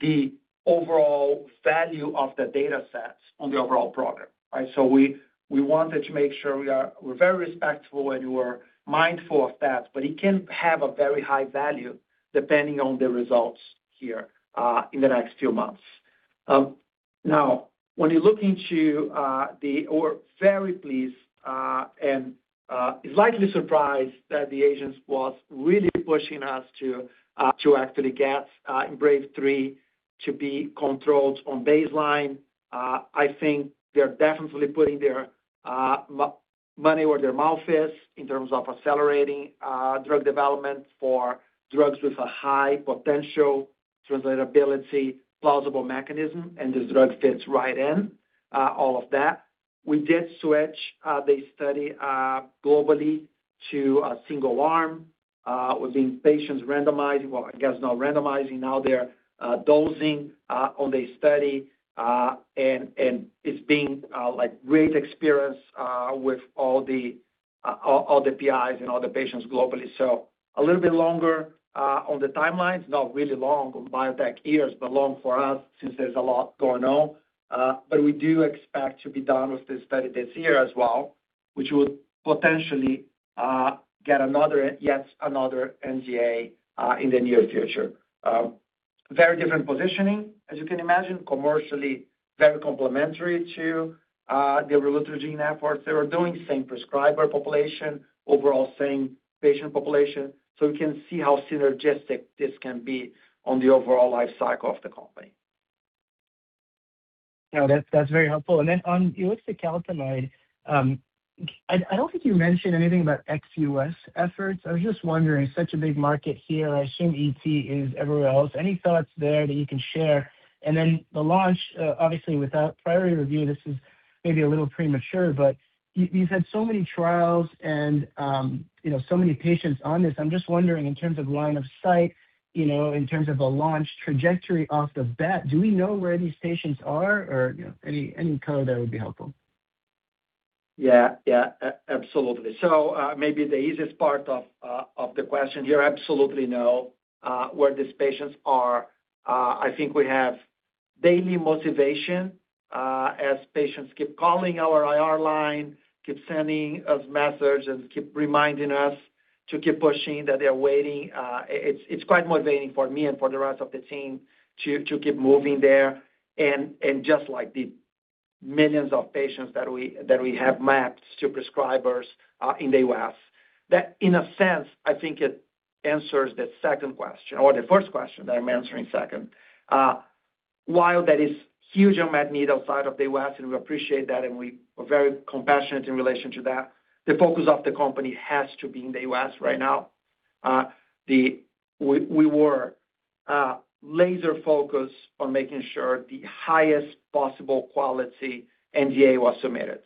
the overall value of the data sets on the overall program, right? So we wanted to make sure we're very respectful, and we were mindful of that, but it can have a very high value depending on the results here in the next few months. Now, when you look into the-- we're very pleased, and likely surprised that the agency was really pushing us to actually get EMBRAVE3 to be controlled on baseline. I think they're definitely putting their money where their mouth is in terms of accelerating drug development for drugs with a high potential translatability, plausible mechanism, and this drug fits right in all of that. We did switch the study globally to a single arm, with the patients randomizing. Well, I guess not randomizing now, they're dosing on the study. It's been a great experience with all the PIs and all the patients globally. So a little bit longer on the timelines, not really long on biotech years, but long for us since there's a lot going on. But we do expect to be done with this study this year as well, which would potentially get another yet another NDA in the near future. Very different positioning, as you can imagine, commercially very complementary to the relutrigine efforts. They are doing same prescriber population, overall same patient population, so we can see how synergistic this can be on the overall life cycle of the company. No, that's, that's very helpful. And then on ulixacaltamide, I don't think you mentioned anything about ex-US efforts. I was just wondering, such a big market here, I assume ET is everywhere else. Any thoughts there that you can share? And then the launch, obviously, without priority review, this is maybe a little premature, but you've had so many trials and, you know, so many patients on this. I'm just wondering, in terms of line of sight, you know, in terms of a launch trajectory off the bat, do we know where these patients are? Or, you know, any color there would be helpful. Yeah, yeah, absolutely. So, maybe the easiest part of the question here, absolutely know where these patients are. I think we have daily motivation as patients keep calling our IR line, keep sending us messages, and keep reminding us to keep pushing, that they are waiting. It's quite motivating for me and for the rest of the team to keep moving there. And just like the millions of patients that we have mapped to prescribers in the U.S. That in a sense, I think it answers the second question or the first question that I'm answering second. While there is huge unmet need outside of the U.S., and we appreciate that, and we are very compassionate in relation to that, the focus of the company has to be in the U.S. right now. We were laser focused on making sure the highest possible quality NDA was submitted.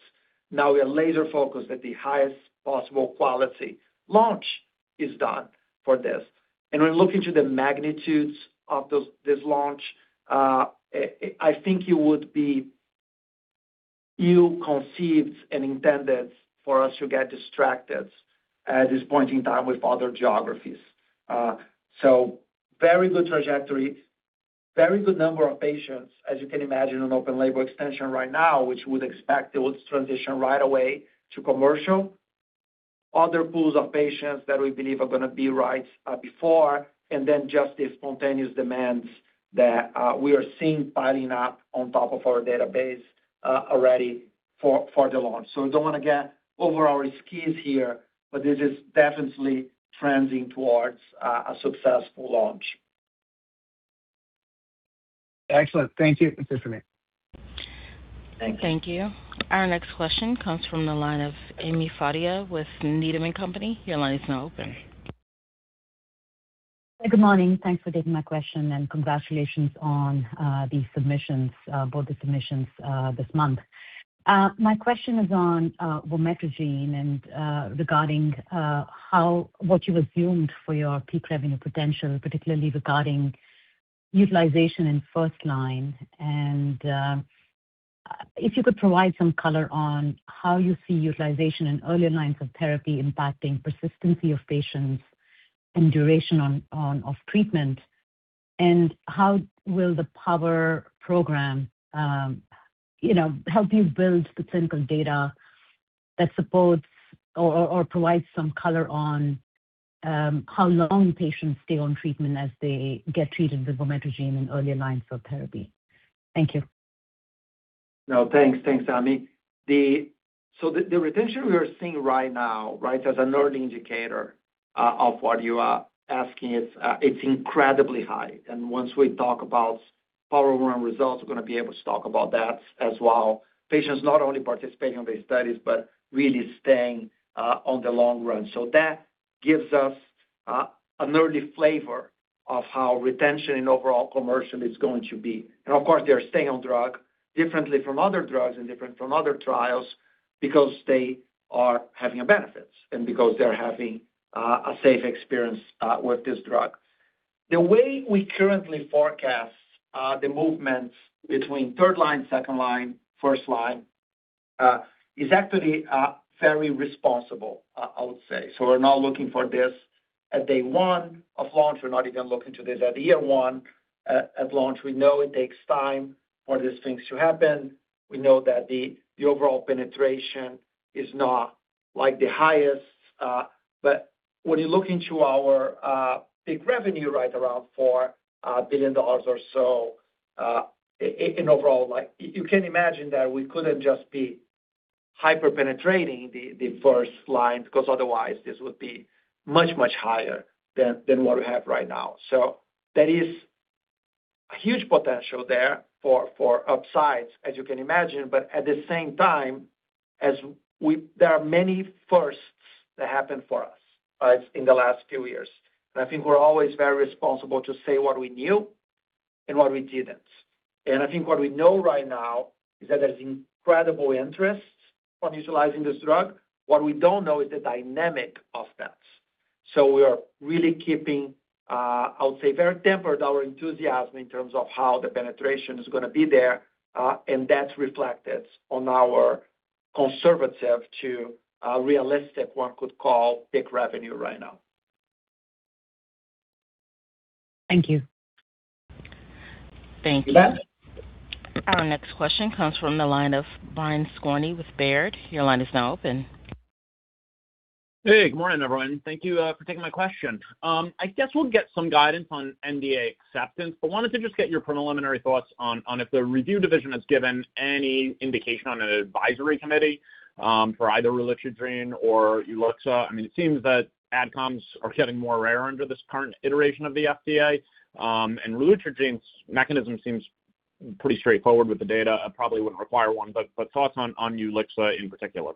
Now, we are laser focused that the highest possible quality launch is done for this. When looking to the magnitudes of this launch, I think it would be ill-conceived and intended for us to get distracted at this point in time with other geographies. So very good trajectory, very good number of patients, as you can imagine, on open label extension right now, which would expect it would transition right away to commercial. Other pools of patients that we believe are gonna be right before, and then just the spontaneous demands that we are seeing piling up on top of our database already for the launch. So I don't want to get over our skis here, but this is definitely trending towards a successful launch. Excellent. Thank you, this is it. Thank you. Thank you. Our next question comes from the line of Ami Fadia with Needham and Company. Your line is now open. Good morning. Thanks for taking my question, and congratulations on the submissions, both the submissions this month. My question is on vormatrigine and regarding how—what you assumed for your peak revenue potential, particularly regarding utilization in first line. And if you could provide some color on how you see utilization in earlier lines of therapy impacting persistency of patients and duration on of treatment, and how will the POWER program, you know, help you build the clinical data that supports or provides some color on how long patients stay on treatment as they get treated with vormatrigine in earlier lines of therapy? Thank you. No, thanks. Thanks, Amy. So the retention we are seeing right now, right, as an early indicator of what you are asking is, it's incredibly high. And once we talk about POWER1 results, we're gonna be able to talk about that as well. Patients not only participating on these studies, but really staying on the long run. So that gives us an early flavor of how retention in overall commercial is going to be. And of course, they are staying on drug differently from other drugs and different from other trials because they are having benefits, and because they're having a safe experience with this drug. The way we currently forecast the movements between third line, second line, first line is actually very reasonable, I would say. So we're not looking for this at day one of launch. We're not even looking to this at year one, at launch. We know it takes time for these things to happen. We know that the, the overall penetration is not like the highest, but when you look into our, peak revenue, right around $4 billion or so, in overall, like, you can imagine that we couldn't just be hyper penetrating the, the first line, because otherwise this would be much, much higher than, than what we have right now. So there is a huge potential there for, for upsides, as you can imagine. But at the same time, as we-- there are many firsts that happened for us, in the last few years. And I think we're always very responsible to say what we knew-... and what we didn't. I think what we know right now is that there's incredible interest on utilizing this drug. What we don't know is the dynamic of that. We are really keeping, I would say, very tempered our enthusiasm in terms of how the penetration is going to be there, and that's reflected on our conservative to a realistic, one could call, peak revenue right now. Thank you. Thank you. Our next question comes from the line of Brian Scorney with Baird. Your line is now open. Hey, good morning, everyone. Thank you, for taking my question. I guess we'll get some guidance on NDA acceptance, but wanted to just get your preliminary thoughts on, on if the review division has given any indication on an advisory committee, for either relutrigine or ulixacaltamide. I mean, it seems that outcomes are getting more rare under this current iteration of the FDA. And relutrigine's mechanism seems pretty straightforward with the data. It probably wouldn't require one, but, but thoughts on, on ulixacaltamide in particular.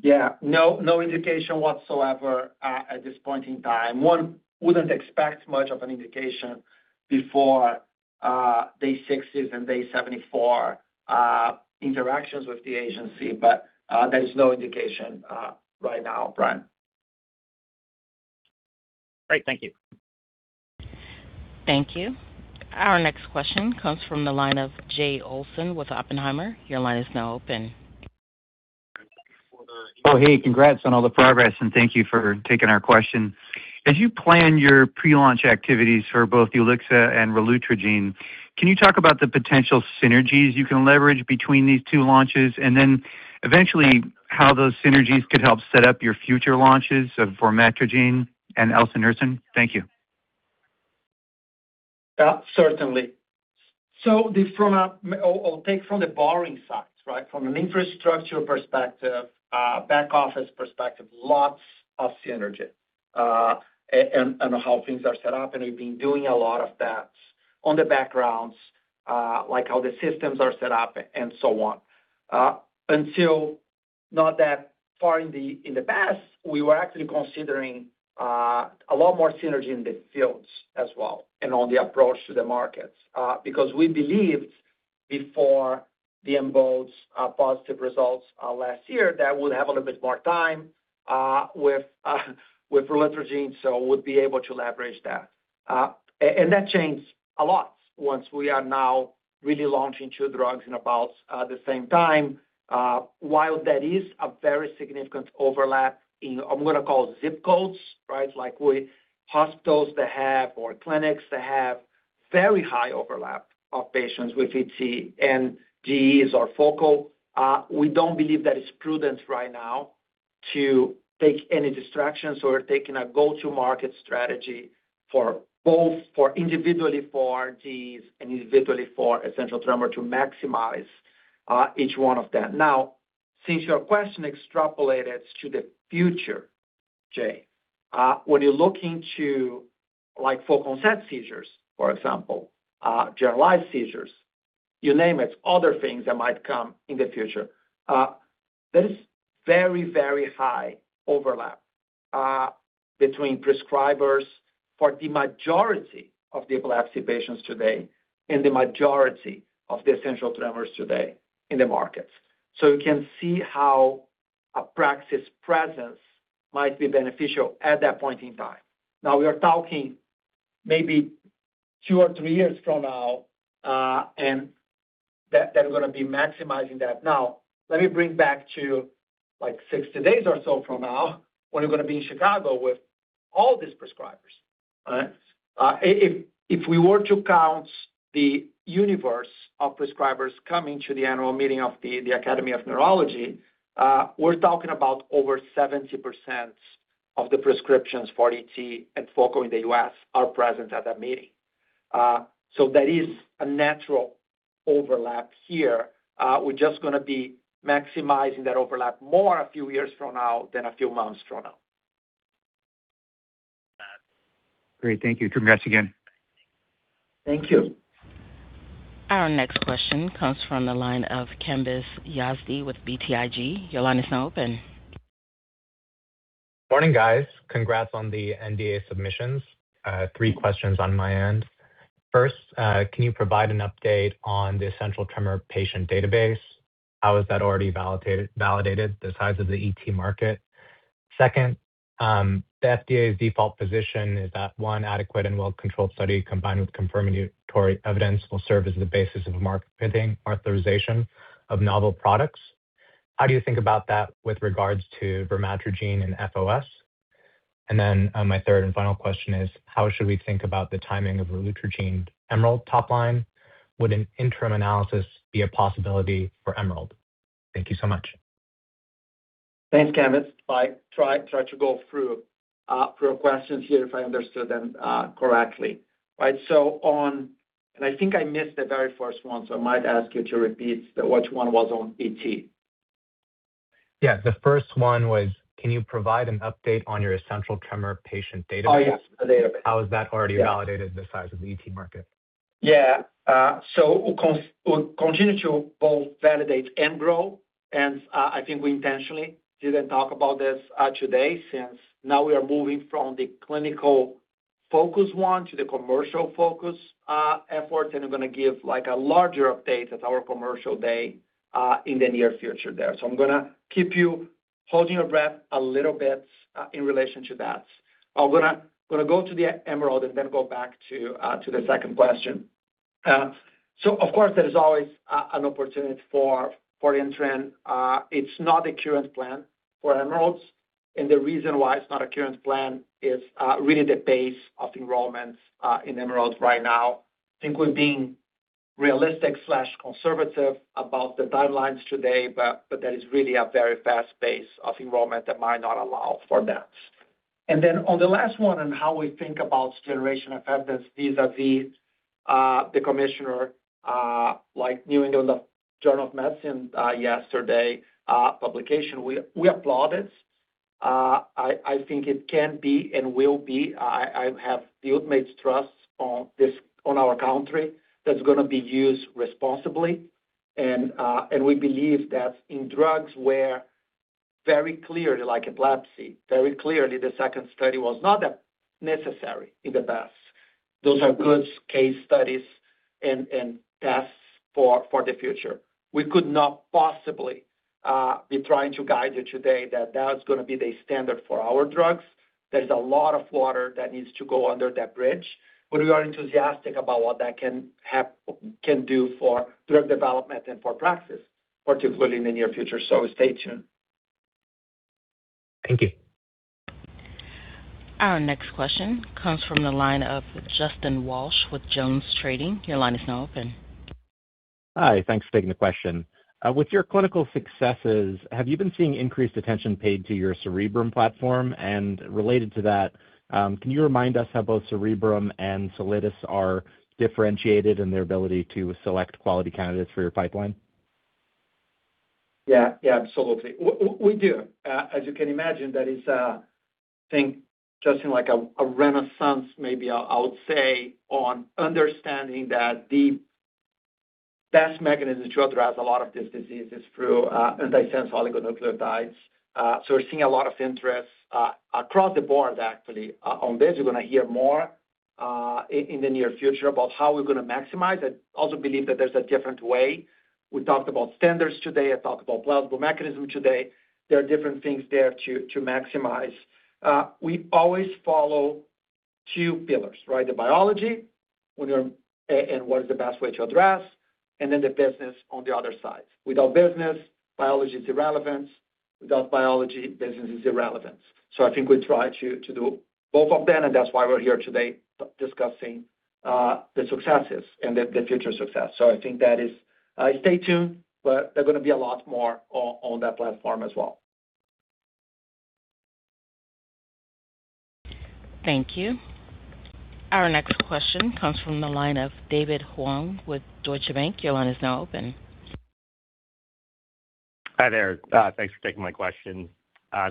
Yeah. No, no indication whatsoever, at this point in time. One wouldn't expect much of an indication before Day 60 and day 74 interactions with the agency, but there is no indication right now, Brian. Great. Thank you. Thank you. Our next question comes from the line of Jay Olson with Oppenheimer. Your line is now open. Oh, hey, congrats on all the progress, and thank you for taking our question. As you plan your pre-launch activities for both ulixacaltamide and relutrigine, can you talk about the potential synergies you can leverage between these two launches, and then eventually, how those synergies could help set up your future launches of vormatrigine and elsunersen? Thank you. Yeah, certainly. So I'll take from the borrowing side, right? From an infrastructure perspective, back office perspective, lots of synergy, and, and on how things are set up, and we've been doing a lot of that on the backgrounds, like how the systems are set up and so on. Until not that far in the past, we were actually considering a lot more synergy in the fields as well and on the approach to the markets. Because we believed before the EMBOLD's positive results last year, that we'd have a little bit more time with relutrigine, so we'd be able to leverage that. And that changed a lot once we are now really launching two drugs in about the same time. While there is a very significant overlap in, I'm going to call it ZIP codes, right? Like with hospitals that have or clinics that have very high overlap of patients with ET and GEs or focal, we don't believe that it's prudent right now to take any distractions or taking a go-to-market strategy for both, for individually, for GEs and individually for essential tremor to maximize, each one of them. Now, since your question extrapolated to the future, Jay, when you're looking to like focal seizures, for example, generalized seizures, you name it, other things that might come in the future, there is very, very high overlap, between prescribers for the majority of the epilepsy patients today and the majority of the essential tremors today in the markets. So you can see how a practice presence might be beneficial at that point in time. Now, we are talking maybe 2 or 3 years from now, and that they're going to be maximizing that. Now, let me bring back to, like, 60 days or so from now, when you're going to be in Chicago with all these prescribers. If, if we were to count the universe of prescribers coming to the annual meeting of the Academy of Neurology, we're talking about over 70% of the prescriptions for ET and focal in the U.S. are present at that meeting. So there is a natural overlap here. We're just going to be maximizing that overlap more a few years from now than a few months from now. Great. Thank you. Congrats again. Thank you. Our next question comes from the line of Kambiz Yazdi with BTIG. Your line is now open. Morning, guys. Congrats on the NDA submissions. Three questions on my end. First, can you provide an update on the essential tremor patient database? How is that already validated the size of the ET market? Second, the FDA's default position is that one adequate and well controlled study, combined with confirmatory evidence, will serve as the basis of market authorization of novel products. How do you think about that with regards to vormatrigine and FOS? And then, my third and final question is, how should we think about the timing of relutrigine EMERALD top line? Would an interim analysis be a possibility for EMERALD? Thank you so much. Thanks, Kambiz. I try to go through your questions here if I understood them correctly. Right. So on and I think I missed the very first one, so I might ask you to repeat which one was on ET. Yeah, the first one was, can you provide an update on your essential tremor patient database? Oh, yes, the database. How is that already validated the size of the ET market?... Yeah, so we'll continue to both validate and grow, and, I think we intentionally didn't talk about this, today, since now we are moving from the clinical focus one to the commercial focus, effort, and I'm gonna give, like, a larger update at our commercial day, in the near future there. So I'm gonna keep you holding your breath a little bit, in relation to that. I'm gonna go to the EMERALD, and then go back to, to the second question. So of course, there is always, an opportunity for, for interim. It's not a current plan for EMERALD, and the reason why it's not a current plan is, really the pace of enrollments, in EMERALD right now. I think we're being realistic, conservative about the timelines today, but that is really a very fast pace of enrollment that might not allow for that. And then on the last one, on how we think about generation of evidence vis-a-vis the commissioner, like New England Journal of Medicine yesterday publication, we applaud it. I think it can be and will be, I have the ultimate trust on this, on our company, that's gonna be used responsibly. And we believe that in drugs where very clearly, like epilepsy, very clearly, the second study was not that necessary in the past. Those are good case studies and tests for the future. We could not possibly be trying to guide you today that that's gonna be the standard for our drugs. There's a lot of water that needs to go under that bridge, but we are enthusiastic about what that can do for drug development and for Praxis, particularly in the near future. So stay tuned. Thank you. Our next question comes from the line of Justin Walsh with Jones Trading. Your line is now open. Hi, thanks for taking the question. With your clinical successes, have you been seeing increased attention paid to your Cerebrum platform? And related to that, can you remind us how both Cerebrum and Solidus are differentiated in their ability to select quality candidates for your pipeline? Yeah, yeah, absolutely. We do. As you can imagine, that is, I think, Justin, like a renaissance, maybe I would say, on understanding that the best mechanism to address a lot of these diseases is through antisense oligonucleotides. So we're seeing a lot of interest across the board actually on this. You're gonna hear more in the near future about how we're gonna maximize it. I also believe that there's a different way. We talked about standards today, I talked about plausible mechanism today. There are different things there to maximize. We always follow two pillars, right? The biology, and what is the best way to address, and then the business on the other side. Without business, biology is irrelevant. Without biology, business is irrelevant. So I think we try to, to do both of them, and that's why we're here today discussing the successes and the, the future success. So I think that is stay tuned, but there's gonna be a lot more on, on that platform as well. Thank you. Our next question comes from the line of David Hoang with Deutsche Bank. Your line is now open. Hi there, thanks for taking my question.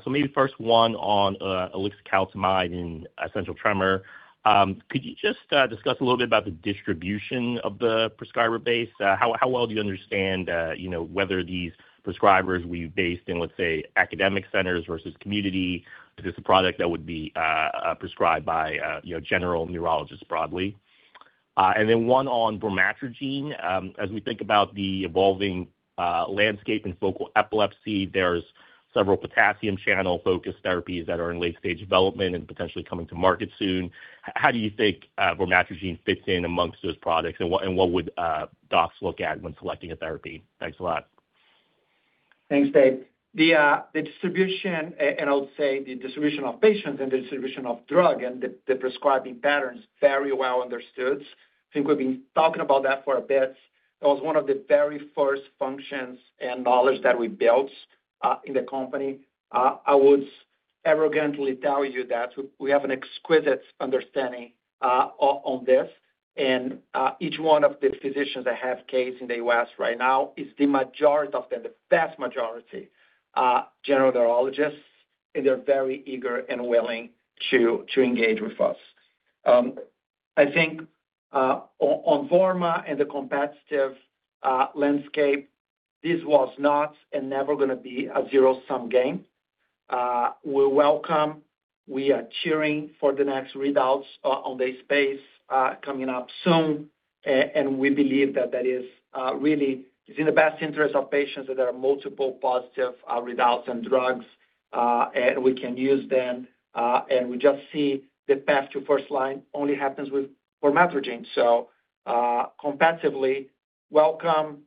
So maybe first one on ulixacaltamide and essential tremor. Could you just discuss a little bit about the distribution of the prescriber base? How, how well do you understand, you know, whether these prescribers will be based in, let's say, academic centers versus community? Is this a product that would be prescribed by, you know, general neurologists broadly? And then one on vormatrigine. As we think about the evolving landscape and focal epilepsy, there's several potassium channel-focused therapies that are in late-stage development and potentially coming to market soon. How do you think vormatrigine fits in amongst those products? And what, and what would docs look at when selecting a therapy? Thanks a lot. Thanks, Dave. The, the distribution, and I would say the distribution of patients and the distribution of drug and the, the prescribing pattern is very well understood. I think we've been talking about that for a bit. It was one of the very first functions and knowledge that we built, in the company. I would arrogantly tell you that we have an exquisite understanding, on, on this, and, each one of the physicians that have case in the U.S. right now is the majority of them, the vast majority, are general neurologists, and they're very eager and willing to, to engage with us. I think, on, on Vorma and the competitive, landscape, this was not and never gonna be a zero-sum game. We're welcome. We are cheering for the next readouts, on the space, coming up soon. And we believe that that is really, it's in the best interest of patients that there are multiple positive readouts and drugs, and we can use them. And we just see the path to first line only happens with vormatrigine. So, competitively welcome,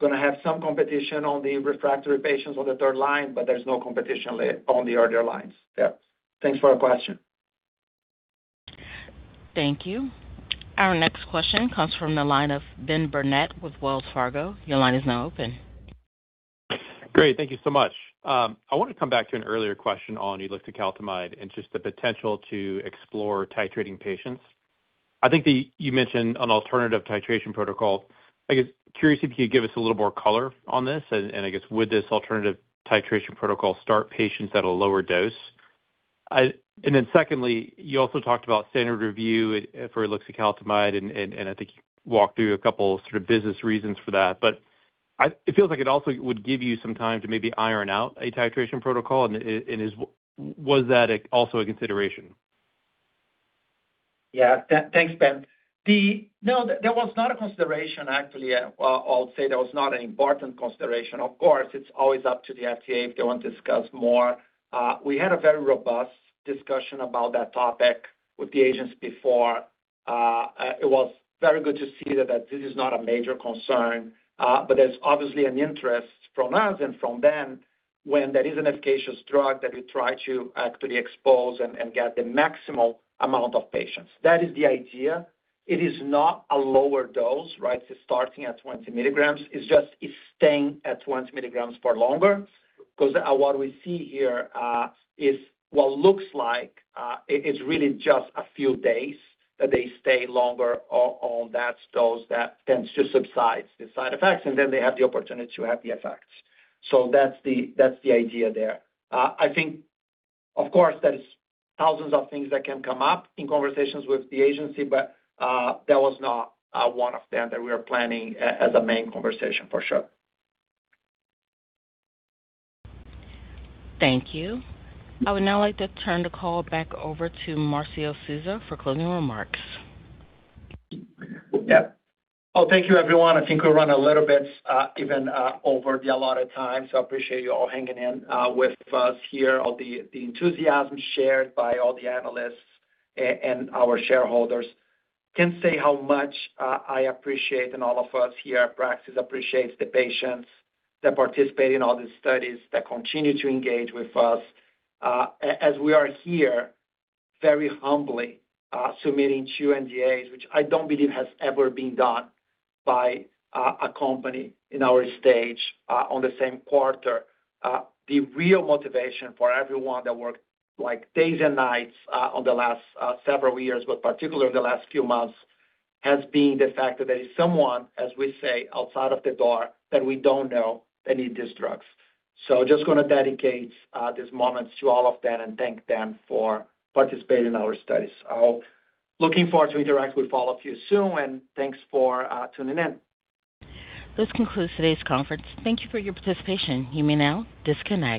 gonna have some competition on the refractory patients on the third line, but there's no competition on the earlier lines. Yeah. Thanks for the question. Thank you. Our next question comes from the line of Ben Burnett with Wells Fargo. Your line is now open. Great. Thank you so much. I want to come back to an earlier question on ulixacaltamide and just the potential to explore titrating patients. I think you mentioned an alternative titration protocol. I guess, curious if you could give us a little more color on this, and, and I guess would this alternative titration protocol start patients at a lower dose? ... I and then secondly, you also talked about standard review for ulixacaltamide, and I think you walked through a couple sort of business reasons for that. But it feels like it also would give you some time to maybe iron out a titration protocol, and was that also a consideration? Yeah. Thanks, Ben. No, that was not a consideration, actually. I'll say that was not an important consideration. Of course, it's always up to the FDA if they want to discuss more. We had a very robust discussion about that topic with the agents before. It was very good to see that this is not a major concern, but there's obviously an interest from us and from them when there is an efficacious drug that we try to actually expose and get the maximal amount of patients. That is the idea. It is not a lower dose, right? It's starting at 20 milligrams. It's just, it's staying at 20 milligrams for longer. Because what we see here is what looks like it is really just a few days that they stay longer on that dose, that tends to subside, the side effects, and then they have the opportunity to have the effects. So that's the, that's the idea there. I think, of course, there is thousands of things that can come up in conversations with the agency, but that was not one of them that we are planning as a main conversation, for sure. Thank you. I would now like to turn the call back over to Marcio Souza for closing remarks. Yeah. Oh, thank you, everyone. I think we're running a little bit even over the allotted time, so I appreciate you all hanging in with us here. All the enthusiasm shared by all the analysts and our shareholders. Can't say how much I appreciate and all of us here at Praxis appreciates the patients that participate in all the studies, that continue to engage with us. As we are here, very humbly, submitting two NDAs, which I don't believe has ever been done by a company in our stage on the same quarter. The real motivation for everyone that worked, like, days and nights, on the last several years, but particularly in the last few months, has been the fact that there is someone, as we say, outside of the door, that we don't know. They need these drugs. So just gonna dedicate these moments to all of them and thank them for participating in our studies. So looking forward to interact with all of you soon, and thanks for tuning in. This concludes today's conference. Thank you for your participation. You may now disconnect.